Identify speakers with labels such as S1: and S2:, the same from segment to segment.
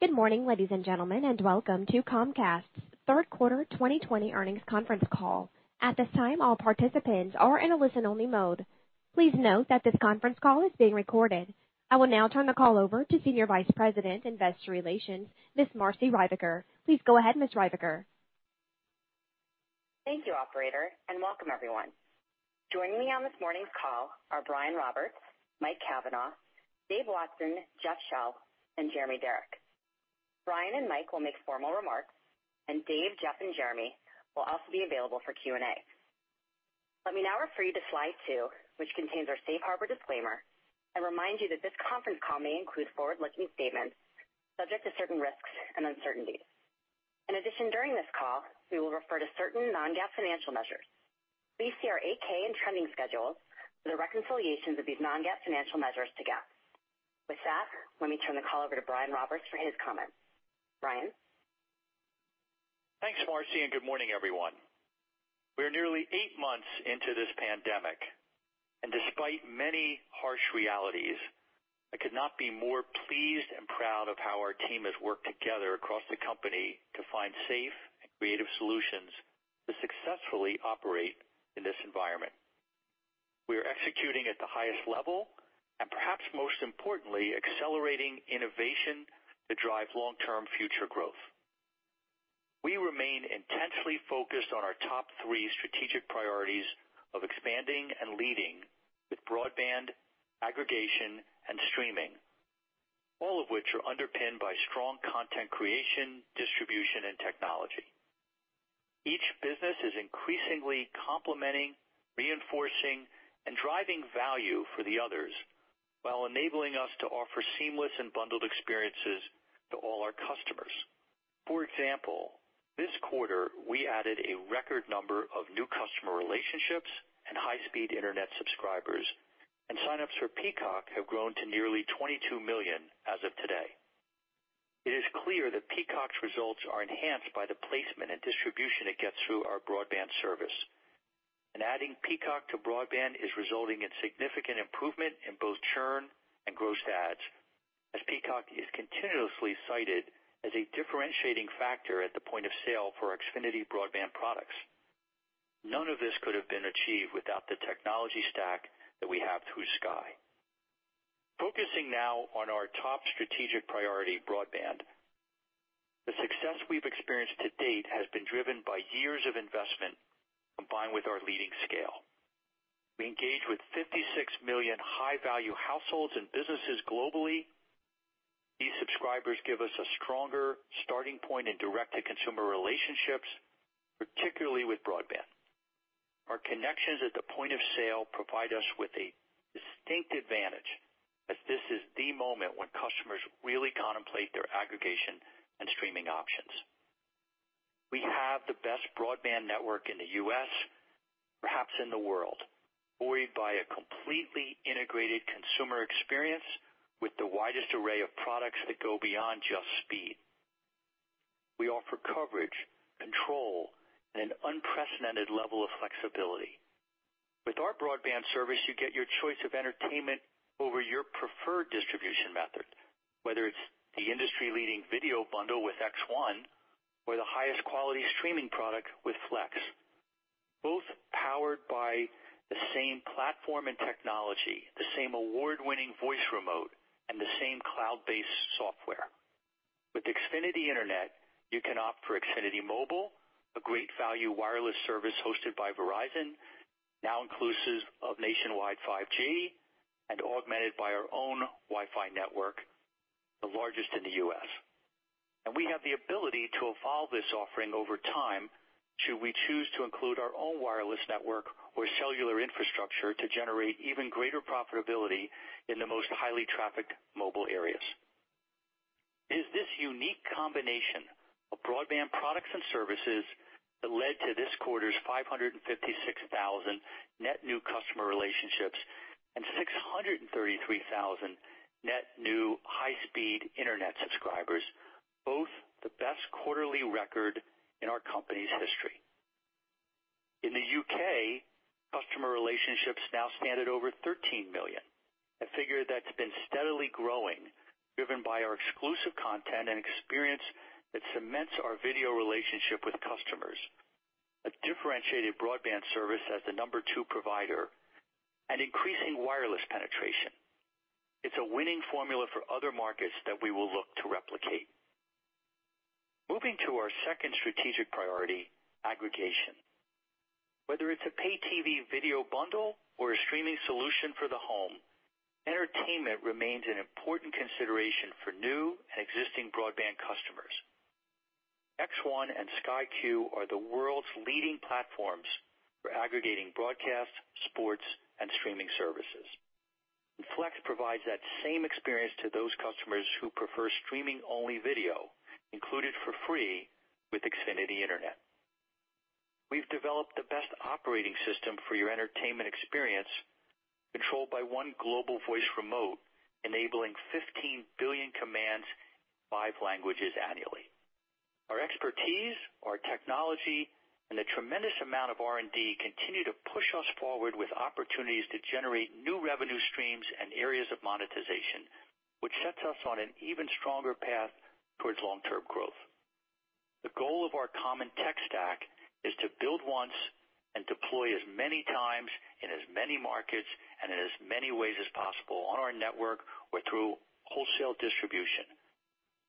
S1: Good morning, ladies and gentlemen, and welcome to Comcast's third quarter 2020 earnings conference call. At this time, all participants are in a listen-only mode. Please note that this conference call is being recorded. I will now turn the call over to Senior Vice President, Investor Relations, Ms. Marci Ryvicker. Please go ahead, Ms. Ryvicker.
S2: Thank you, operator, and welcome everyone. Joining me on this morning's call are Brian Roberts, Mike Cavanagh, Dave Watson, Jeff Shell, and Jeremy Darroch. Brian and Mike will make formal remarks, and Dave, Jeff, and Jeremy will also be available for Q&A. Let me now refer you to slide two, which contains our safe harbor disclaimer, and remind you that this conference call may include forward-looking statements subject to certain risks and uncertainties. In addition, during this call, we will refer to certain non-GAAP financial measures. Please see our 8-K and trending schedules for the reconciliations of these non-GAAP financial measures to GAAP. With that, let me turn the call over to Brian Roberts for his comments. Brian.
S3: Thanks, Marci, and good morning, everyone. We are nearly eight months into this pandemic. Despite many harsh realities, I could not be more pleased and proud of how our team has worked together across the company to find safe and creative solutions to successfully operate in this environment. We are executing at the highest level. Perhaps most importantly, accelerating innovation to drive long-term future growth. We remain intensely focused on our top three strategic priorities of expanding and leading with broadband, aggregation, and streaming, all of which are underpinned by strong content creation, distribution, and technology. Each business is increasingly complementing, reinforcing, and driving value for the others while enabling us to offer seamless and bundled experiences to all our customers. For example, this quarter, we added a record number of new customer relationships and high-speed internet subscribers. Signups for Peacock have grown to nearly 22 million as of today. It is clear that Peacock's results are enhanced by the placement and distribution it gets through our broadband service. Adding Peacock to broadband is resulting in significant improvement in both churn and gross adds, as Peacock is continuously cited as a differentiating factor at the point of sale for Xfinity broadband products. None of this could have been achieved without the technology stack that we have through Sky. Focusing now on our top strategic priority, broadband. The success we've experienced to date has been driven by years of investment combined with our leading scale. We engage with 56 million high-value households and businesses globally. These subscribers give us a stronger starting point in direct-to-consumer relationships, particularly with broadband. Our connections at the point of sale provide us with a distinct advantage as this is the moment when customers really contemplate their aggregation and streaming options. We have the best broadband network in the U.S., perhaps in the world, buoyed by a completely integrated consumer experience with the widest array of products that go beyond just speed. We offer coverage, control, and an unprecedented level of flexibility. With our broadband service, you get your choice of entertainment over your preferred distribution method, whether it's the industry-leading video bundle with X1 or the highest quality streaming product with Flex, both powered by the same platform and technology, the same award-winning voice remote, and the same cloud-based software. With Xfinity Internet, you can opt for Xfinity Mobile, a great value wireless service hosted by Verizon, now inclusive of nationwide 5G and augmented by our own Wi-Fi network, the largest in the U.S. We have the ability to evolve this offering over time should we choose to include our own wireless network or cellular infrastructure to generate even greater profitability in the most highly trafficked mobile areas. It is this unique combination of broadband products and services that led to this quarter's 556,000 net new customer relationships and 633,000 net new high-speed internet subscribers, both the best quarterly record in our company's history. In the U.K., customer relationships now stand at over 13 million, a figure that's been steadily growing, driven by our exclusive content and experience that cements our video relationship with customers, a differentiated broadband service as the number two provider, and increasing wireless penetration. It's a winning formula for other markets that we will look to replicate. Moving to our second strategic priority, aggregation. Whether it's a pay TV video bundle or a streaming solution for the home, entertainment remains an important consideration for new and existing broadband customers. X1 and Sky Q are the world's leading platforms for aggregating broadcasts, sports, and streaming services. Flex provides that same experience to those customers who prefer streaming-only video included for free with Xfinity Internet. We've developed the best operating system for your entertainment experience, controlled by one global voice remote, enabling 15 billion commands in five languages annually. Our expertise, our technology, and the tremendous amount of R&D continue to push us forward with opportunities to generate new revenue streams and areas of monetization, which sets us on an even stronger path towards long-term growth. The goal of our common tech stack is to build once and deploy as many times in as many markets and in as many ways as possible on our network or through wholesale distribution.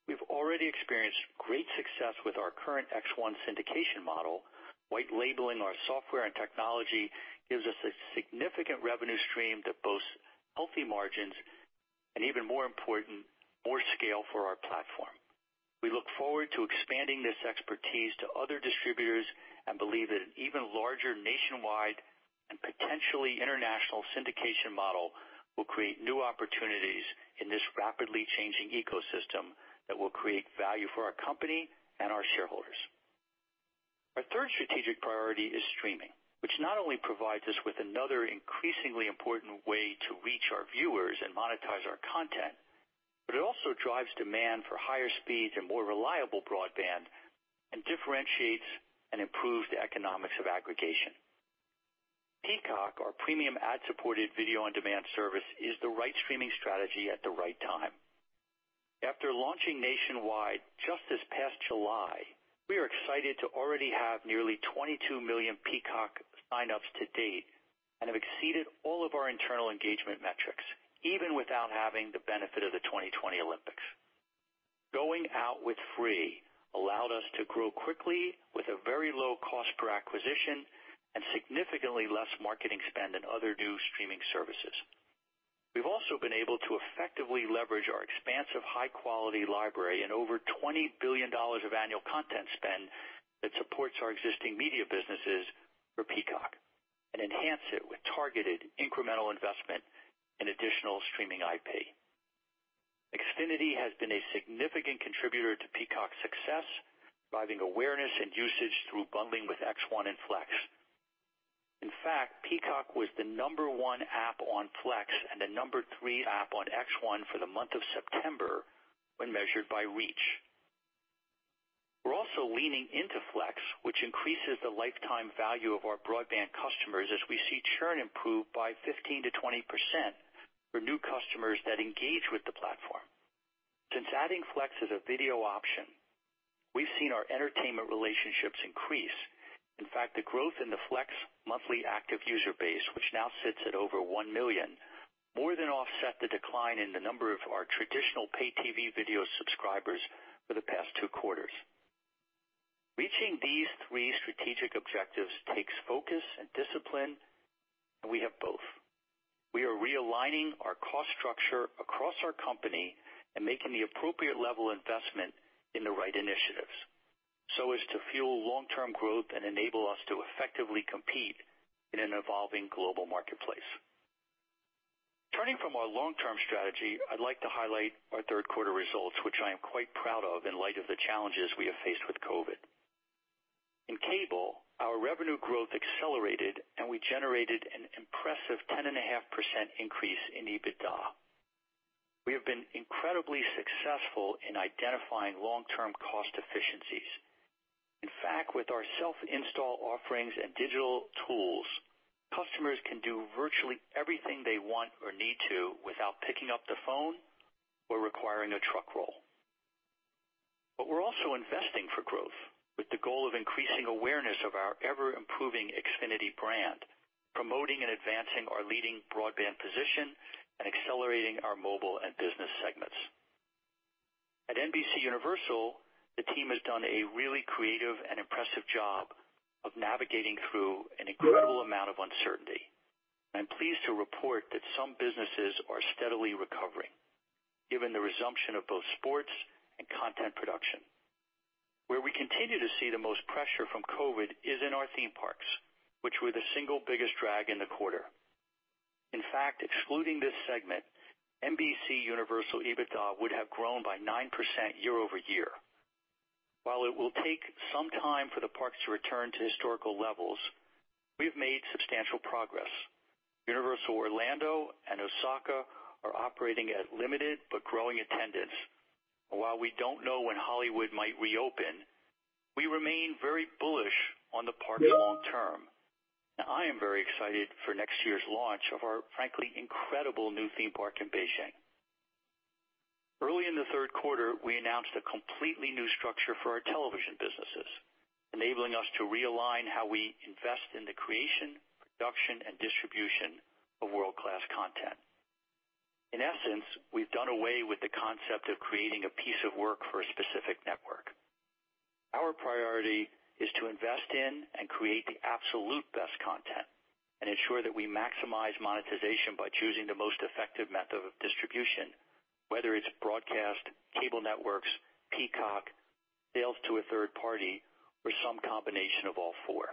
S3: We've already experienced great success with our current X1 syndication model. White labeling our software and technology gives us a significant revenue stream that boasts healthy margins and even more important, more scale for our platform. We look forward to expanding this expertise to other distributors and believe that an even larger nationwide and potentially international syndication model will create new opportunities in this rapidly changing ecosystem that will create value for our company and our shareholders. Our third strategic priority is streaming, which not only provides us with another increasingly important way to reach our viewers and monetize our content, but it also drives demand for higher speeds and more reliable broadband and differentiates and improves the economics of aggregation. Peacock, our premium ad-supported video-on-demand service, is the right streaming strategy at the right time. After launching nationwide just this past July, we are excited to already have nearly 22 million Peacock signups to date and have exceeded all of our internal engagement metrics, even without having the benefit of the 2020 Olympics. Going out with free allowed us to grow quickly with a very low cost per acquisition and significantly less marketing spend than other new streaming services. We've also been able to effectively leverage our expansive high-quality library and over $20 billion of annual content spend that supports our existing media businesses for Peacock and enhance it with targeted incremental investment and additional streaming IP. Xfinity has been a significant contributor to Peacock's success, driving awareness and usage through bundling with X1 and Flex. In fact, Peacock was the number one app on Flex and the number three app on X1 for the month of September when measured by reach. We're also leaning into Flex, which increases the lifetime value of our broadband customers as we see churn improve by 15%-20% for new customers that engage with the platform. Since adding Flex as a video option, we've seen our entertainment relationships increase. In fact, the growth in the Flex monthly active user base, which now sits at over 1 million, more than offset the decline in the number of our traditional pay TV video subscribers for the past two quarters. Reaching these three strategic objectives takes focus and discipline, and we have both. We are realigning our cost structure across our company and making the appropriate level investment in the right initiatives so as to fuel long-term growth and enable us to effectively compete in an evolving global marketplace. Turning from our long-term strategy, I'd like to highlight our third quarter results, which I am quite proud of in light of the challenges we have faced with COVID. In cable, our revenue growth accelerated, and we generated an impressive 10.5% increase in EBITDA. We have been incredibly successful in identifying long-term cost efficiencies. In fact, with our self-install offerings and digital tools, customers can do virtually everything they want or need to without picking up the phone or requiring a truck roll. We're also investing for growth with the goal of increasing awareness of our ever-improving Xfinity brand, promoting and advancing our leading broadband position, and accelerating our mobile and business segments. At NBCUniversal, the team has done a really creative and impressive job of navigating through an incredible amount of uncertainty. I'm pleased to report that some businesses are steadily recovering given the resumption of both sports and content production. Where we continue to see the most pressure from COVID-19 is in our theme parks, which were the single biggest drag in the quarter. In fact, excluding this segment, NBCUniversal EBITDA would have grown by 9% year-over-year. While it will take some time for the parks to return to historical levels, we've made substantial progress. Universal Orlando and Osaka are operating at limited but growing attendance. While we don't know when Hollywood might reopen, we remain very bullish on the park long term. I am very excited for next year's launch of our frankly incredible new theme park in Beijing. Early in the third quarter, we announced a completely new structure for our television businesses, enabling us to realign how we invest in the creation, production, and distribution of world-class content. In essence, we've done away with the concept of creating a piece of work for a specific network. Our priority is to invest in and create the absolute best content and ensure that we maximize monetization by choosing the most effective method of distribution, whether it's Broadcast Television, Cable Networks, Peacock, sales to a third party, or some combination of all four.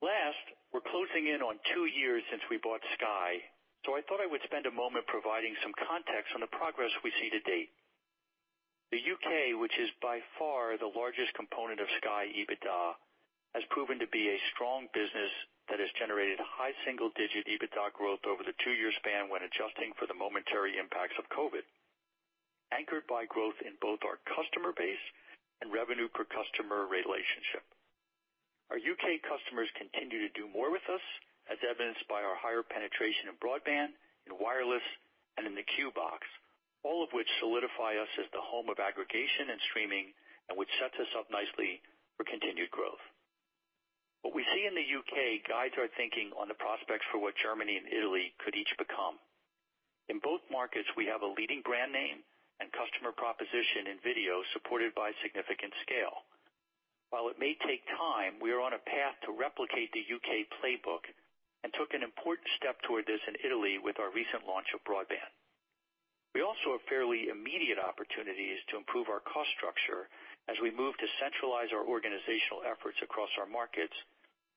S3: Last, we're closing in on two years since we bought Sky, so I thought I would spend a moment providing some context on the progress we see to date. The U.K., which is by far the largest component of Sky EBITDA has proven to be a strong business that has generated high single-digit EBITDA growth over the two-year span when adjusting for the momentary impacts of COVID-19, anchored by growth in both our customer base and revenue per customer relationship. Our U.K. customers continue to do more with us, as evidenced by our higher penetration in broadband, in wireless, and in the Q Box, all of which solidify us as the home of aggregation and streaming and which sets us up nicely for continued growth. What we see in the U.K. guides our thinking on the prospects for what Germany and Italy could each become. In both markets, we have a leading brand name and customer proposition in video supported by significant scale. While it may take time, we are on a path to replicate the U.K. playbook and took an important step toward this in Italy with our recent launch of broadband. We also have fairly immediate opportunities to improve our cost structure as we move to centralize our organizational efforts across our markets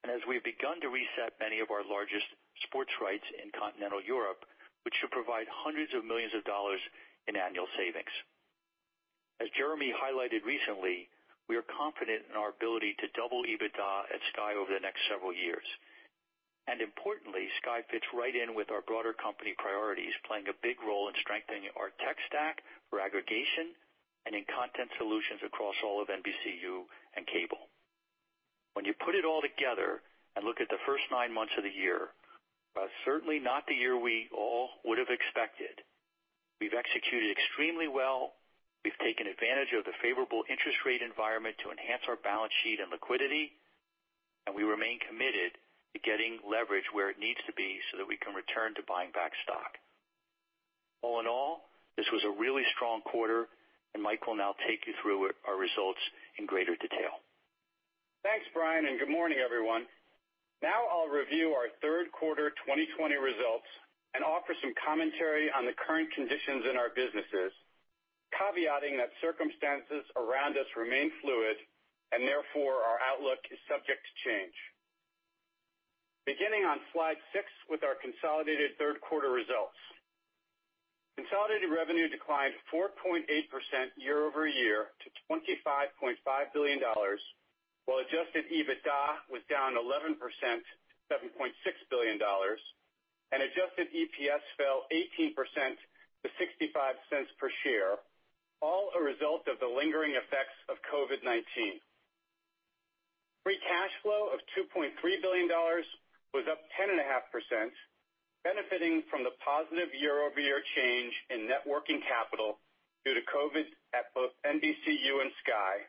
S3: and as we've begun to reset many of our largest sports rights in continental Europe, which should provide hundreds of millions of dollars in annual savings. As Jeremy highlighted recently, we are confident in our ability to double EBITDA at Sky over the next several years. Importantly, Sky fits right in with our broader company priorities, playing a big role in strengthening our tech stack for aggregation and in content solutions across all of NBCU and Cable. When you put it all together and look at the first nine months of the year, while certainly not the year we all would have expected, we've executed extremely well, we've taken advantage of the favorable interest rate environment to enhance our balance sheet and liquidity, and we remain committed to getting leverage where it needs to be so that we can return to buying back stock. All in all, this was a really strong quarter, and Mike will now take you through our results in greater detail.
S4: Thanks, Brian, and good morning, everyone. Now I'll review our third quarter 2020 results and offer some commentary on the current conditions in our businesses, caveating that circumstances around us remain fluid and therefore our outlook is subject to change. Beginning on slide six with our consolidated third quarter results. Consolidated revenue declined 4.8% year-over-year to $25.5 billion, while adjusted EBITDA was down 11% to $7.6 billion, and adjusted EPS fell 18% to $0.65 per share, all a result of the lingering effects of COVID-19. Free cash flow of $2.3 billion was up 10.5%, benefiting from the positive year-over-year change in net working capital due to COVID at both NBCU and Sky,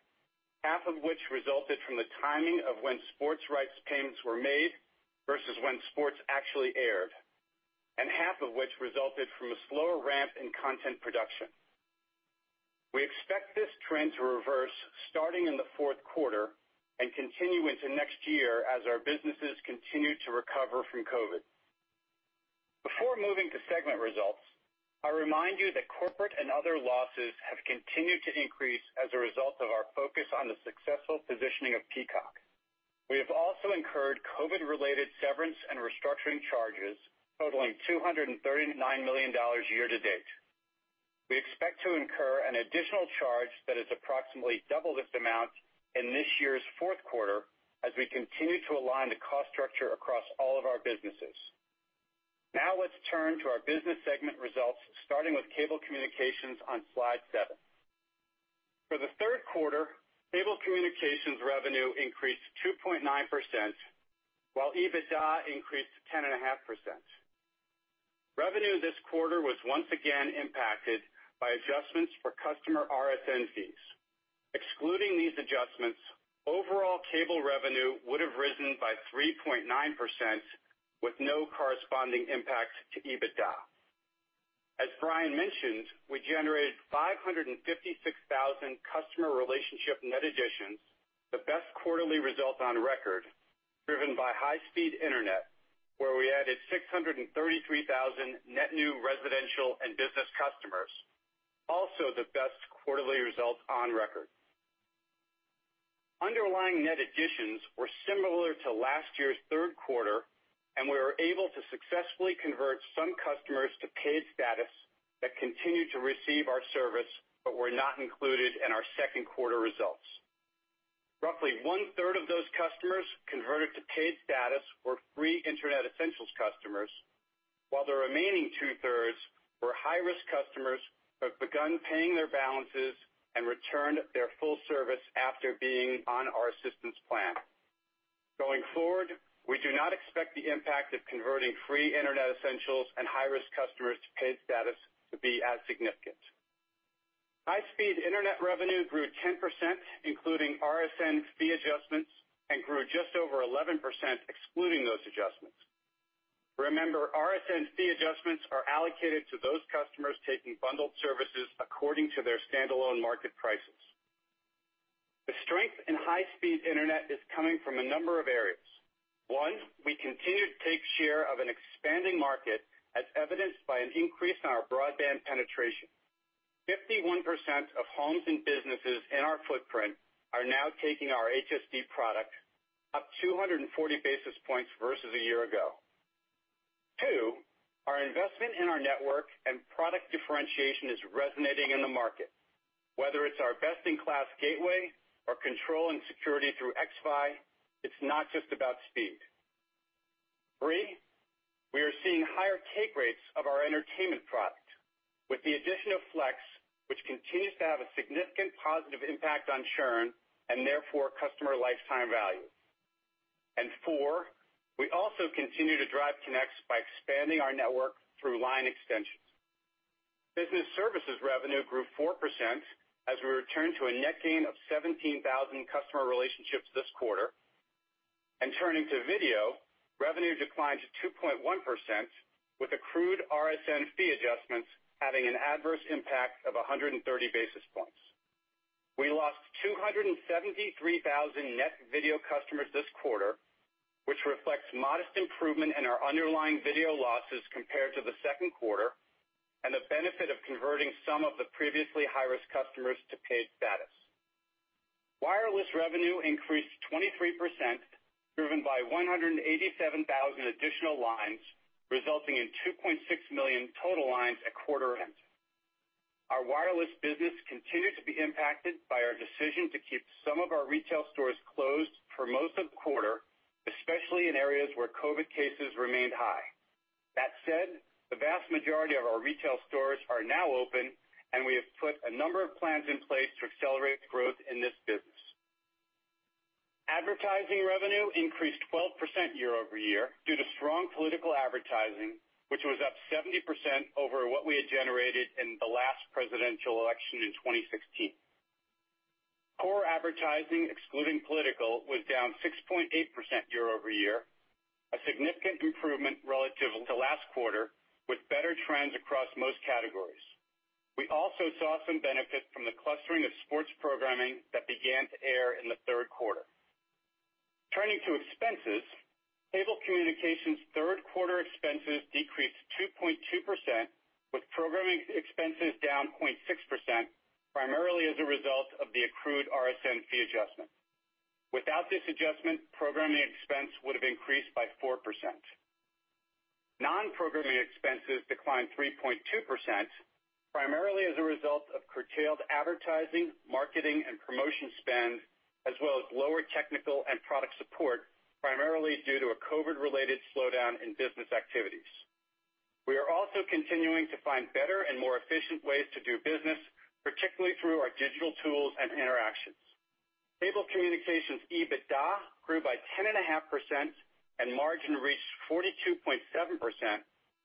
S4: half of which resulted from the timing of when sports rights payments were made versus when sports actually aired, and half of which resulted from a slower ramp in content production. We expect this trend to reverse starting in the fourth quarter and continue into next year as our businesses continue to recover from COVID. Before moving to segment results, I remind you that corporate and other losses have continued to increase as a result of our focus on the successful positioning of Peacock. We have also incurred COVID-related severance and restructuring charges totaling $239 million year to date. We expect to incur an additional charge that is approximately double this amount in this year's fourth quarter as we continue to align the cost structure across all of our businesses. Let's turn to our business segment results, starting with Cable Communications on slide seven. For the third quarter, Cable Communications revenue increased 2.9%, while EBITDA increased 10.5%. Revenue this quarter was once again impacted by adjustments for customer RSN fees. Excluding these adjustments, overall Cable revenue would have risen by 3.9% with no corresponding impact to EBITDA. As Brian mentioned, we generated 556,000 customer relationship net additions, the best quarterly result on record, driven by high-speed internet, where we added 633,000 net new residential and business customers, also the best quarterly result on record. Underlying net additions were similar to last year's third quarter, and we were able to successfully convert some customers to paid status that continued to receive our service but were not included in our second quarter results. Roughly one-third of those customers converted to paid status were free Internet Essentials customers, while the remaining two-thirds were high-risk customers who have begun paying their balances and returned their full service after being on our assistance plan. Going forward, we do not expect the impact of converting free Internet Essentials and high-risk customers to paid status to be as significant. High-speed internet revenue grew 10%, including RSN fee adjustments, and grew just over 11% excluding those adjustments. Remember, RSN fee adjustments are allocated to those customers taking bundled services according to their standalone market prices. The strength in high-speed internet is coming from a number of areas. One, we continue to take share of an expanding market as evidenced by an increase in our broadband penetration. 51% of homes and businesses in our footprint are now taking our HSD product, up 240 basis points versus a year ago. Our investment in our network and product differentiation is resonating in the market. Whether it's our best-in-class gateway or control and security through xFi, it's not just about speed. Three, we are seeing higher take rates of our entertainment product with the addition of Flex, which continues to have a significant positive impact on churn and therefore customer lifetime value. Four, we also continue to drive connects by expanding our network through line extensions. Business services revenue grew 4% as we returned to a net gain of 17,000 customer relationships this quarter. Turning to video, revenue declined to 2.1% with accrued RSN fee adjustments having an adverse impact of 130 basis points. We lost 273,000 net video customers this quarter, which reflects modest improvement in our underlying video losses compared to the second quarter, and the benefit of converting some of the previously high-risk customers to paid status. Wireless revenue increased 23%, driven by 187,000 additional lines, resulting in 2.6 million total lines at quarter end. Our wireless business continued to be impacted by our decision to keep some of our retail stores closed for most of the quarter, especially in areas where COVID-19 cases remained high. That said, the vast majority of our retail stores are now open, and we have put a number of plans in place to accelerate growth in this business. Advertising revenue increased 12% year-over-year due to strong political advertising, which was up 70% over what we had generated in the last presidential election in 2016. Core advertising, excluding political, was down 6.8% year-over-year, a significant improvement relative to last quarter, with better trends across most categories. We also saw some benefit from the clustering of sports programming that began to air in the third quarter. Turning to expenses, Cable Communications third quarter expenses decreased 2.2%, with programming expenses down 0.6%, primarily as a result of the accrued RSN fee adjustment. Without this adjustment, programming expense would have increased by 4%. Non-programming expenses declined 3.2%, primarily as a result of curtailed advertising, marketing and promotion spend, as well as lower technical and product support, primarily due to a COVID-related slowdown in business activities. We are also continuing to find better and more efficient ways to do business, particularly through our digital tools and interactions. Cable Communications EBITDA grew by 10.5%, and margin reached 42.7%,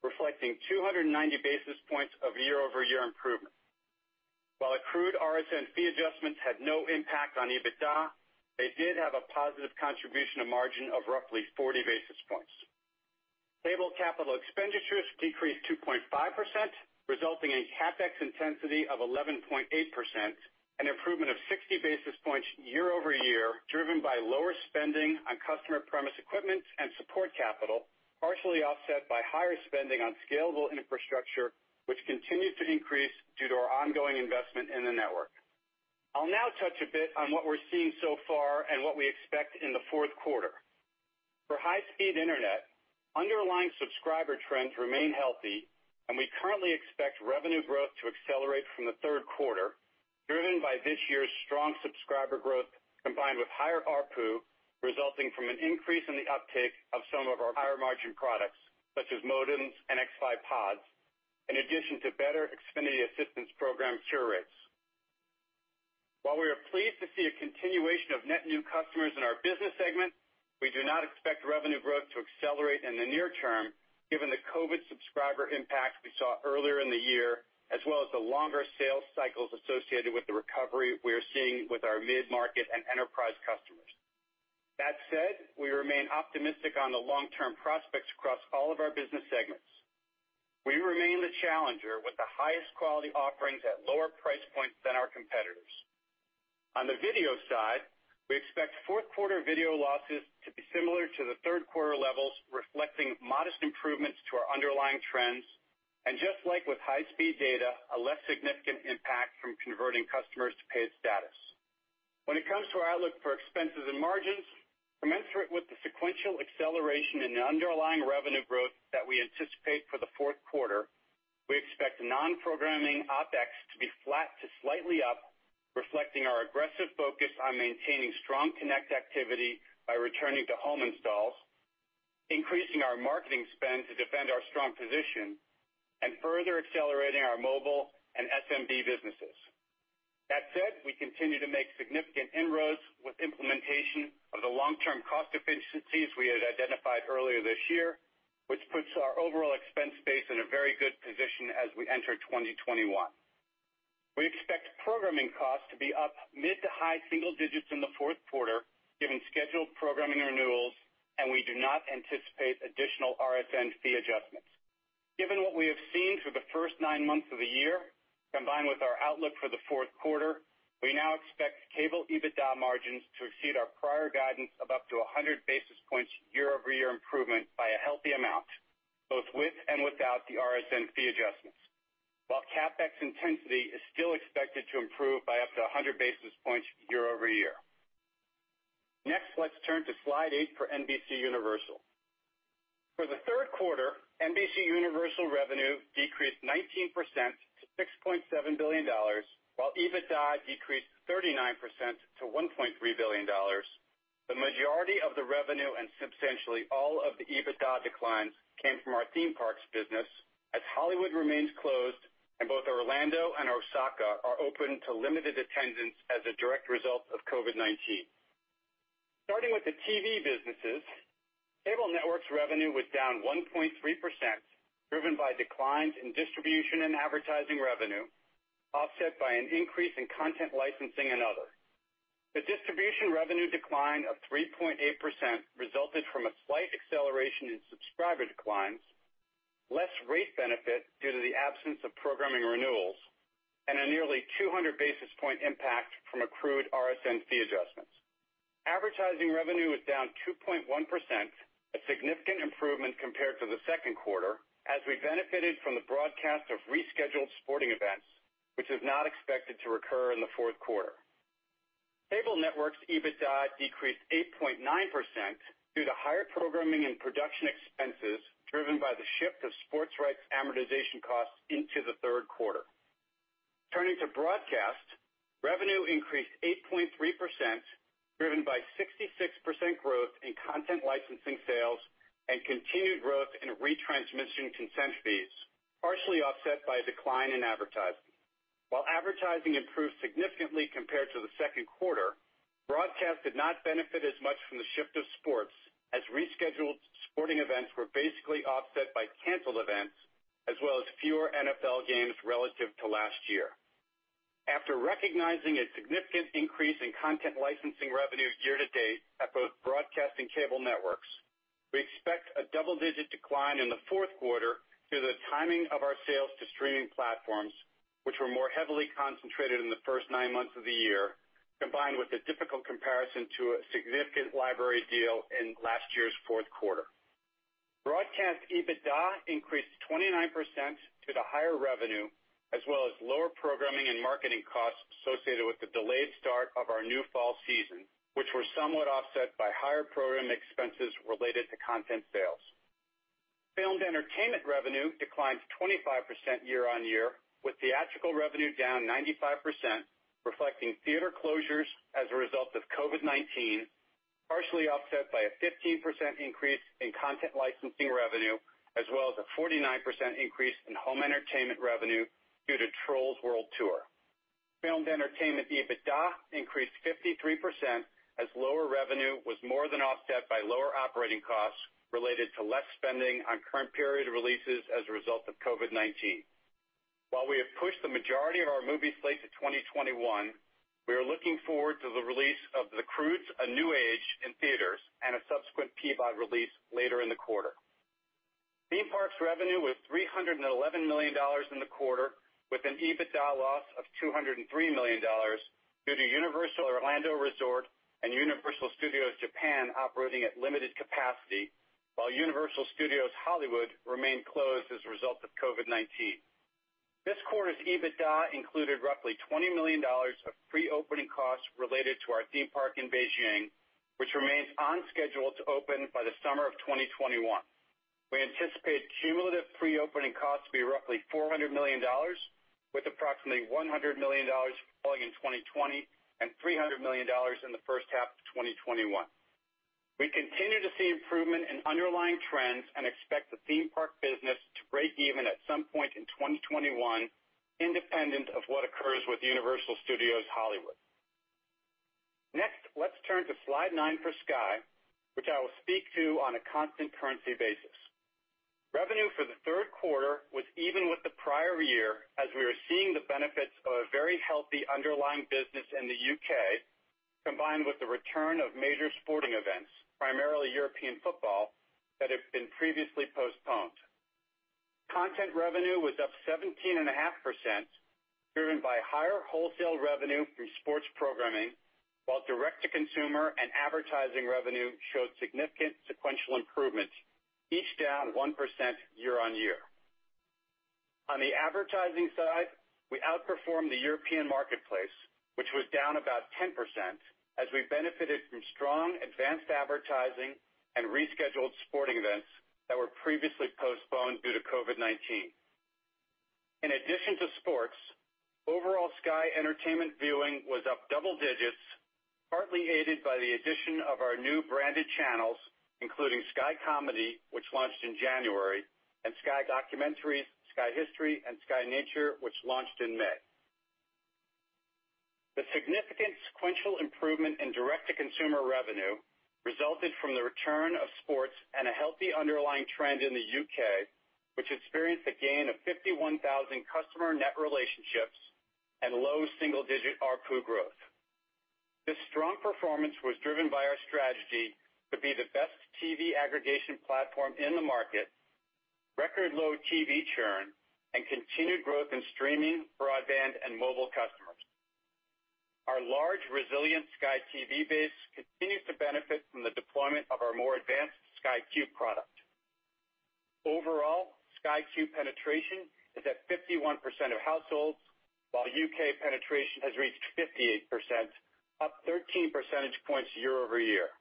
S4: reflecting 290 basis points of year-over-year improvement. While accrued RSN fee adjustments had no impact on EBITDA, they did have a positive contribution to margin of roughly 40 basis points. Cable capital expenditures decreased 2.5%, resulting in CapEx intensity of 11.8%, an improvement of 60 basis points year-over-year, driven by lower spending on customer premise equipment and support capital, partially offset by higher spending on scalable infrastructure, which continued to increase due to our ongoing investment in the network. I'll now touch a bit on what we're seeing so far and what we expect in the fourth quarter. For high-speed internet, underlying subscriber trends remain healthy, and we currently expect revenue growth to accelerate from the third quarter, driven by this year's strong subscriber growth combined with higher ARPU resulting from an increase in the uptake of some of our higher margin products, such as modems and xFi Pods, in addition to better Xfinity assistance program cure rates. While we are pleased to see a continuation of net new customers in our business segment, we do not expect revenue growth to accelerate in the near term, given the COVID subscriber impact we saw earlier in the year, as well as the longer sales cycles associated with the recovery we are seeing with our mid-market and enterprise customers. We remain optimistic on the long-term prospects across all of our business segments. We remain the challenger with the highest quality offerings at lower price points than our competitors. On the video side, we expect fourth quarter video losses to be similar to the third quarter levels, reflecting modest improvements to our underlying trends, just like with high speed data, a less significant impact from converting customers to paid status. When it comes to our outlook for expenses and margins, commensurate with the sequential acceleration in the underlying revenue growth that we anticipate for the fourth quarter, we expect non-programming OpEx to be flat to slightly up, reflecting our aggressive focus on maintaining strong connect activity by returning to home installs, increasing our marketing spend to defend our strong position, and further accelerating our mobile and SMB businesses. That said, we continue to make significant inroads with implementation of the long-term cost efficiencies we had identified earlier this year, which puts our overall expense base in a very good position as we enter 2021. We expect programming costs to be up mid to high single digits in the fourth quarter, given scheduled programming renewals, and we do not anticipate additional RSN fee adjustments. Given what we have seen through the first nine months of the year, combined with our outlook for the fourth quarter, we now expect Cable EBITDA margins to exceed our prior guidance of up to 100 basis points year-over-year improvement by a healthy amount, both with and without the RSN fee adjustments. While CapEx intensity is still expected to improve by up to 100 basis points year-over-year. Let's turn to slide eight for NBCUniversal. For the third quarter, NBCUniversal revenue decreased 19% to $6.7 billion, while EBITDA decreased 39% to $1.3 billion. The majority of the revenue and substantially all of the EBITDA declines came from our theme parks business as Hollywood remains closed and both Orlando and Osaka are open to limited attendance as a direct result of COVID-19. Starting with the TV businesses, Cable Networks revenue was down 1.3%, driven by declines in distribution and advertising revenue, offset by an increase in content licensing and other. The distribution revenue decline of 3.8% resulted from a slight acceleration in subscriber declines, less rate benefit due to the absence of programming renewals, and a nearly 200 basis point impact from accrued RSN fee adjustments. Advertising revenue was down 2.1%, a significant improvement compared to the second quarter, as we benefited from the broadcast of rescheduled sporting events, which is not expected to recur in the fourth quarter. Cable Networks' EBITDA decreased 8.9% due to higher programming and production expenses driven by the shift of sports rights amortization costs into the third quarter. Turning to Broadcast, revenue increased 8.3%, driven by 66% growth in content licensing sales and continued growth in retransmission consent fees, partially offset by a decline in advertising. While advertising improved significantly compared to the second quarter, Broadcast did not benefit as much from the shift of sports as rescheduled sporting events were basically offset by canceled events, as well as fewer NFL games relative to last year. After recognizing a significant increase in content licensing revenue year to date at both Broadcast and Cable Networks, we expect a double-digit decline in the fourth quarter due to the timing of our sales to streaming platforms, which were more heavily concentrated in the first nine months of the year, combined with the difficult comparison to a significant library deal in last year's fourth quarter. Broadcast EBITDA increased 29% due to higher revenue as well as lower programming and marketing costs associated with the delayed start of our new fall season, which were somewhat offset by higher program expenses related to content sales. Filmed Entertainment revenue declined 25% year-on-year, with theatrical revenue down 95%, reflecting theater closures as a result of COVID-19, partially offset by a 15% increase in content licensing revenue as well as a 49% increase in home entertainment revenue due to Trolls World Tour. Filmed Entertainment EBITDA increased 53% as lower revenue was more than offset by lower operating costs related to less spending on current period releases as a result of COVID-19. While we have pushed the majority of our movie slate to 2021, we are looking forward to the release of The Croods: A New Age in theaters and a subsequent Peacock release later in the quarter. Theme parks revenue was $311 million in the quarter, with an EBITDA loss of $203 million due to Universal Orlando Resort and Universal Studios Japan operating at limited capacity, while Universal Studios Hollywood remained closed as a result of COVID-19. This quarter's EBITDA included roughly $20 million of pre-opening costs related to our theme park in Beijing, which remains on schedule to open by the summer of 2021. We anticipate cumulative pre-opening costs to be roughly $400 million, with approximately $100 million falling in 2020 and $300 million in the first half of 2021. We continue to see improvement in underlying trends and expect the theme park business to break even at some point in 2021, independent of what occurs with Universal Studios Hollywood. Let's turn to slide nine for Sky, which I will speak to on a constant currency basis. Revenue for the third quarter was even with the prior year as we are seeing the benefits of a very healthy underlying business in the U.K., combined with the return of major sporting events, primarily European football, that have been previously postponed. Content revenue was up 17.5%, driven by higher wholesale revenue from sports programming, while direct-to-consumer and advertising revenue showed significant sequential improvement, each down 1% year-on-year. On the advertising side, we outperformed the European marketplace, which was down about 10% as we benefited from strong advanced advertising and rescheduled sporting events that were previously postponed due to COVID-19. In addition to sports, overall Sky entertainment viewing was up double digits, partly aided by the addition of our new branded channels, including Sky Comedy, which launched in January, and Sky Documentaries, Sky History, and Sky Nature, which launched in May. The significant sequential improvement in direct-to-consumer revenue resulted from the return of sports and a healthy underlying trend in the U.K., which experienced a gain of 51,000 customer net relationships and low single-digit ARPU growth. This strong performance was driven by our strategy to be the best TV aggregation platform in the market, record low TV churn, and continued growth in streaming, broadband, and mobile customers. Our large resilient Sky TV base continues to benefit from the deployment of our more advanced Sky Q product. Overall, Sky Q penetration is at 51% of households, while U.K. penetration has reached 58%, up 13 percentage points year-over-year.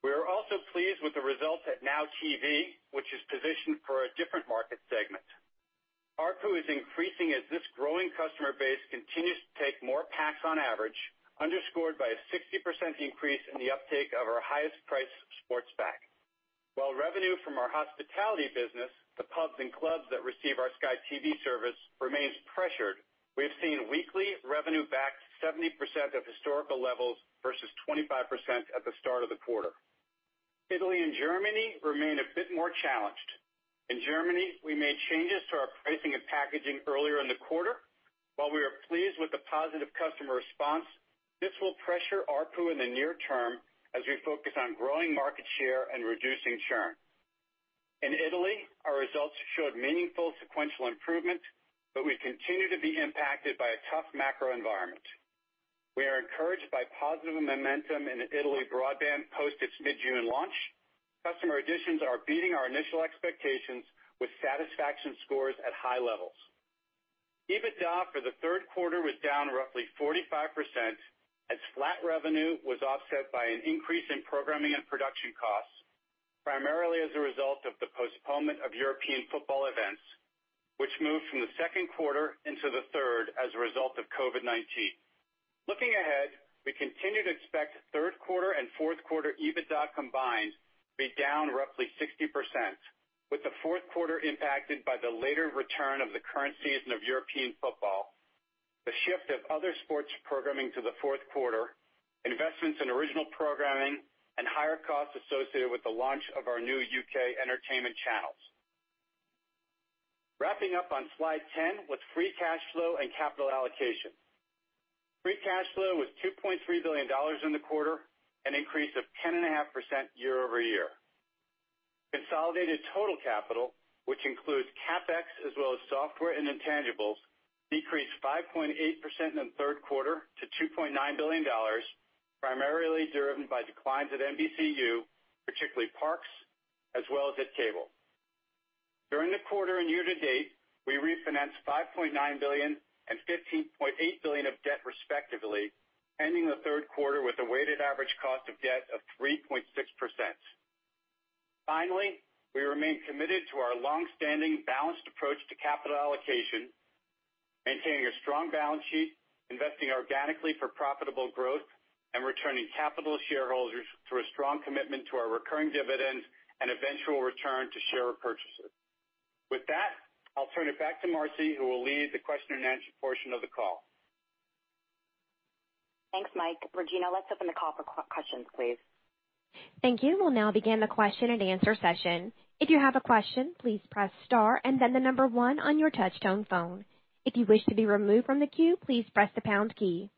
S4: We are also pleased with the results at NOW TV, which is positioned for a different market segment. ARPU is increasing as this growing customer base continues to take more packs on average, underscored by a 60% increase in the uptake of our highest priced sports pack. While revenue from our hospitality business, the pubs and clubs that receive our Sky TV service, remains pressured, we have seen weekly revenue back 70% of historical levels versus 25% at the start of the quarter. Italy and Germany remain a bit more challenged. In Germany, we made changes to our pricing and packaging earlier in the quarter. While we are pleased with the positive customer response, this will pressure ARPU in the near term as we focus on growing market share and reducing churn. In Italy, our results showed meaningful sequential improvement, but we continue to be impacted by a tough macro environment. We are encouraged by positive momentum in Italy broadband post its mid-June launch. Customer additions are beating our initial expectations with satisfaction scores at high levels. EBITDA for the third quarter was down roughly 45%, as flat revenue was offset by an increase in programming and production costs, primarily as a result of the postponement of European football events, which moved from the second quarter into the third as a result of COVID-19. Looking ahead, we continue to expect third quarter and fourth quarter EBITDA combined to be down roughly 60%, with the fourth quarter impacted by the later return of the current season of European football, the shift of other sports programming to the fourth quarter, investments in original programming, and higher costs associated with the launch of our new U.K. entertainment channels. Wrapping up on slide 10 with free cash flow and capital allocation. Free cash flow was $2.3 billion in the quarter, an increase of 10.5% year-over-year. Consolidated total capital, which includes CapEx as well as software and intangibles, decreased 5.8% in the third quarter to $2.9 billion, primarily driven by declines at NBCU, particularly Parks, as well as at Cable. During the quarter and year to date, we refinanced $5.9 billion and $15.8 billion of debt, respectively, ending the third quarter with a weighted average cost of debt of 3.6%. Finally, we remain committed to our long-standing balanced approach to capital allocation, maintaining a strong balance sheet, investing organically for profitable growth, and returning capital to shareholders through a strong commitment to our recurring dividends and eventual return to share repurchases. With that, I'll turn it back to Marci, who will lead the question-and-answer portion of the call.
S2: Thanks, Mike. Regina, let's open the call for questions, please.
S1: Thank you. We will now begin the question-and-answer session. If you have a question, please press star and then the number one on your touchtone phone. If you wish to be removed from the queue, please press the pound key.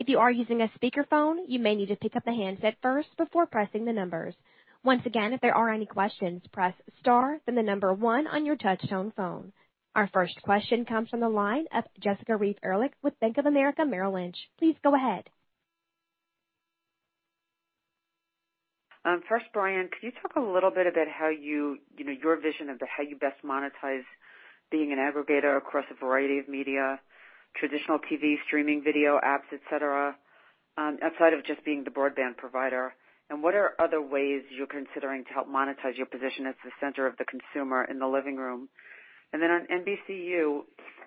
S1: If you are using a speakerphone, you may need to pick up the handset first before pressing the numbers. Once again, if there are any questions, please press star, then the number one on your touchtone phone. Our first question comes from the line of Jessica Reif Ehrlich with Bank of America Merrill Lynch. Please go ahead.
S5: First, Brian, could you talk a little bit about how you know, your vision of the how you best monetize being an aggregator across a variety of media, traditional TV, streaming video apps, et cetera, outside of just being the broadband provider? What are other ways you're considering to help monetize your position at the center of the consumer in the living room? On NBCU,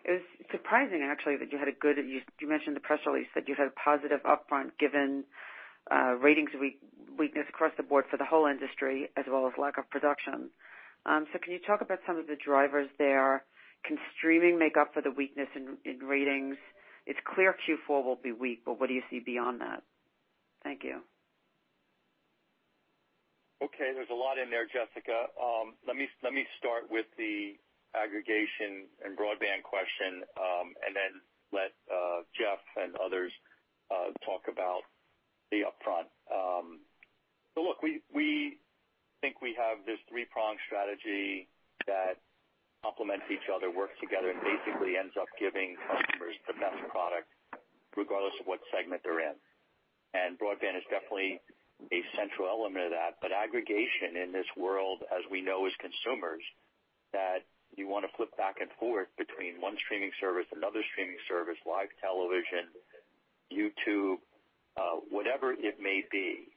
S5: it was surprising actually, that you had a good, you mentioned the press release that you had a positive upfront given ratings weakness across the board for the whole industry as well as lack of production. Can you talk about some of the drivers there? Can streaming make up for the weakness in ratings? It's clear Q4 will be weak, what do you see beyond that? Thank you.
S3: Okay, there's a lot in there, Jessica. Let me start with the aggregation and broadband question, then let Jeff and others talk about the upfront. Look, we think we have this three-pronged strategy that complement each other, work together, and basically ends up giving customers the best product regardless of what segment they're in. Broadband is definitely a central element of that. Aggregation in this world, as we know as consumers, that you wanna flip back and forth between one streaming service, another streaming service, live television, YouTube, whatever it may be,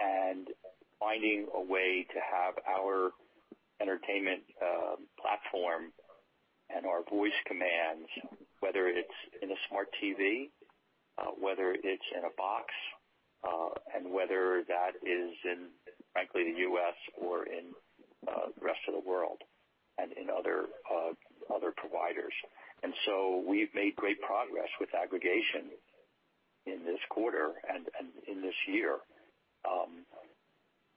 S3: and finding a way to have our entertainment platform and our voice commands, whether it's in a smart TV, whether it's in a box, and whether that is in, frankly, the U.S. or in the rest of the world and in other providers. We've made great progress with aggregation in this quarter and in this year.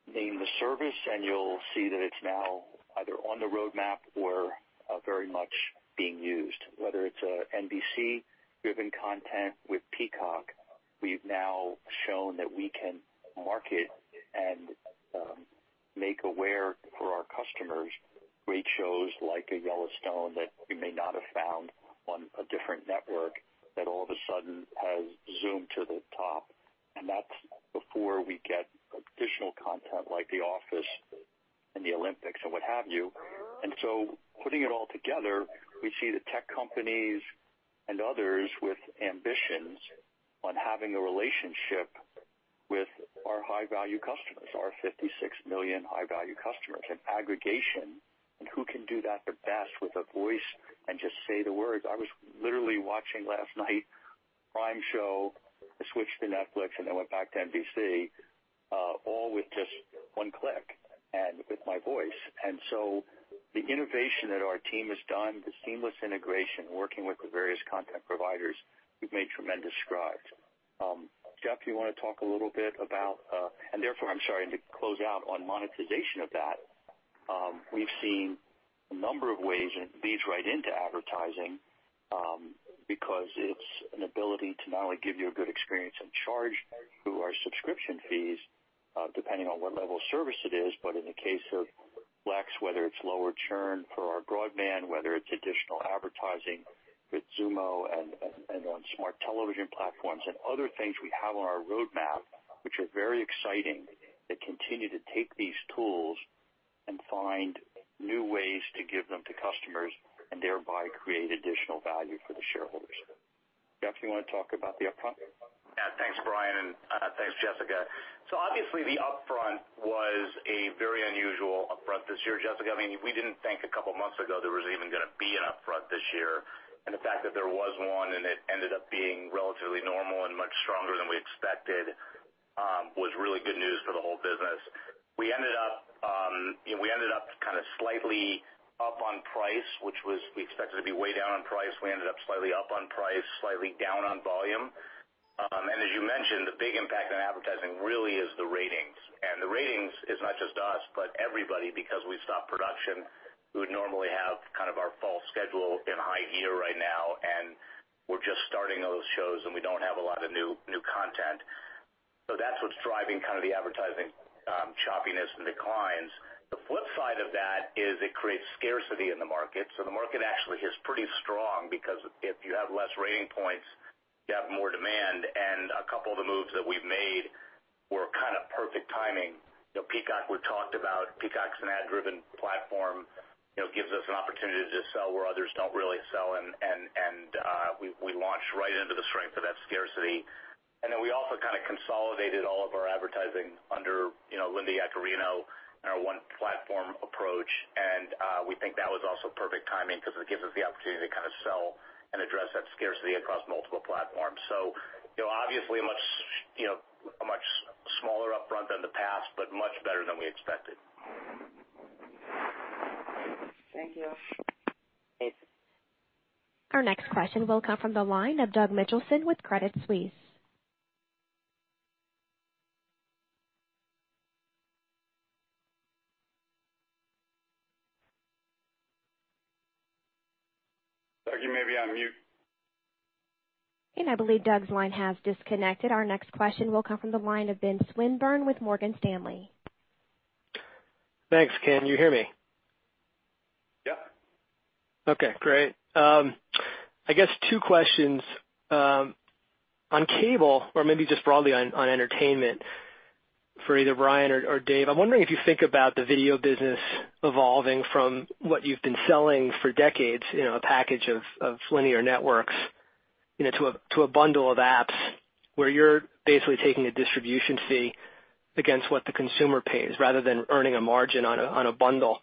S3: Name the service, and you'll see that it's now either on the roadmap or very much being used. Whether it's NBC-driven content with Peacock, we've now shown that we can market and make aware for our customers great shows like a Yellowstone that you may not have found on a different network that all of a sudden has zoomed to the top. That's before we get additional content like The Office and the Olympics and what have you. Putting it all together, we see the tech companies and others with ambitions on having a relationship with our high value customers, our 56 million high value customers and aggregation and who can do that the best with a voice and just say the words. I was literally watching last night, prime show, I switched to Netflix, and then went back to NBC, all with just one click and with my voice. The innovation that our team has done, the seamless integration, working with the various content providers, we've made tremendous strides. Jeff, do you wanna talk a little bit about? Therefore, I'm sorry, and to close out on monetization of that, we've seen a number of ways, and it leads right into advertising, because it's an ability to not only give you a good experience and charge through our subscription fees, depending on what level of service it is, but in the case of Flex, whether it's lower churn for our broadband, whether it's additional advertising with Xumo and on smart television platforms and other things we have on our roadmap, which are very exciting, that continue to take these tools and find new ways to give them to customers and thereby create additional value for the shareholders. Jeff, do you wanna talk about the upfront?
S6: Thanks, Brian. Thanks, Jessica. Obviously, the upfront was a very unusual upfront this year, Jessica. I mean, we didn't think a couple months ago there was even gonna be an upfront this year. The fact that there was one, and it ended up being relatively normal and much stronger than we expected, was really good news for the whole business. We ended up, you know, we ended up kind of slightly up on price, which was we expected to be way down on price. We ended up slightly up on price, slightly down on volume. As you mentioned, the big impact on advertising really is the ratings. The ratings is not just us, but everybody, because we've stopped production. We would normally have kind of our fall schedule in high gear right now, and we're just starting those shows, and we don't have a lot of new content. That's what's driving kind of the advertising, choppiness and declines. The flip side of that is it creates scarcity in the market. The market actually is pretty strong because if you have less rating points, you have more demand. A couple of the moves that we've made were kind of perfect timing. You know, Peacock, we talked about Peacock's an ad-driven platform, you know, gives us an opportunity to sell where others don't really sell, and we launched right into the strength of that scarcity. Then we also kinda consolidated all of our advertising under, you know, Linda Yaccarino and our one platform approach. We think that was also perfect timing because it gives us the opportunity to kind of sell and address that scarcity across multiple platforms. You know, obviously a much, you know, a much smaller upfront than the past, but much better than we expected.
S5: Thank you.
S6: Thanks.
S1: Our next question will come from the line of Doug Mitchelson with Credit Suisse.
S3: Doug, you may be on mute.
S1: I believe Doug's line has disconnected. Our next question will come from the line of Ben Swinburne with Morgan Stanley.
S7: Thanks. Can you hear me?
S3: Yeah.
S7: Okay, great. I guess two questions. On cable or maybe just broadly on entertainment for either Brian or Dave, I'm wondering if you think about the video business evolving from what you've been selling for decades, you know, a package of linear networks, you know, to a bundle of apps where you're basically taking a distribution fee against what the consumer pays rather than earning a margin on a bundle.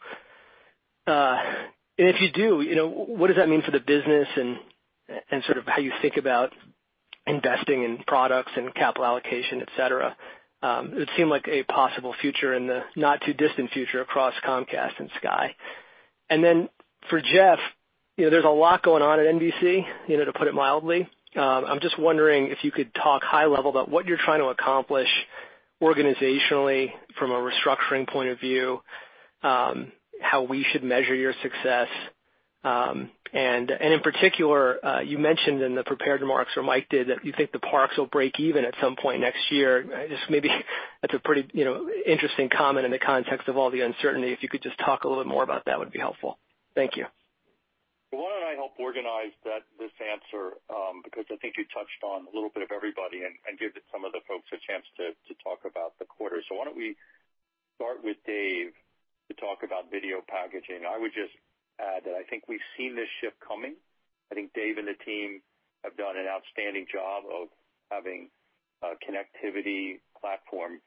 S7: If you do, you know, what does that mean for the business and sort of how you think about investing in products and capital allocation, et cetera? It would seem like a possible future in the not too distant future across Comcast and Sky. Then for Jeff, you know, there's a lot going on at NBC, you know, to put it mildly. I'm just wondering if you could talk high level about what you're trying to accomplish organizationally from a restructuring point of view, how we should measure your success. In particular, you mentioned in the prepared remarks or Mike did, that you think the parks will break even at some point next year. Just maybe that's a pretty, you know, interesting comment in the context of all the uncertainty. If you could just talk a little bit more about that would be helpful. Thank you.
S3: Why don't I help organize that this answer, because I think you touched on a little bit of everybody and give some of the folks a chance to talk about the quarter. So why don't we start with Dave to talk about video packaging? I would just add that I think we've seen this shift coming. I think Dave and the team have done an outstanding job of having a connectivity platform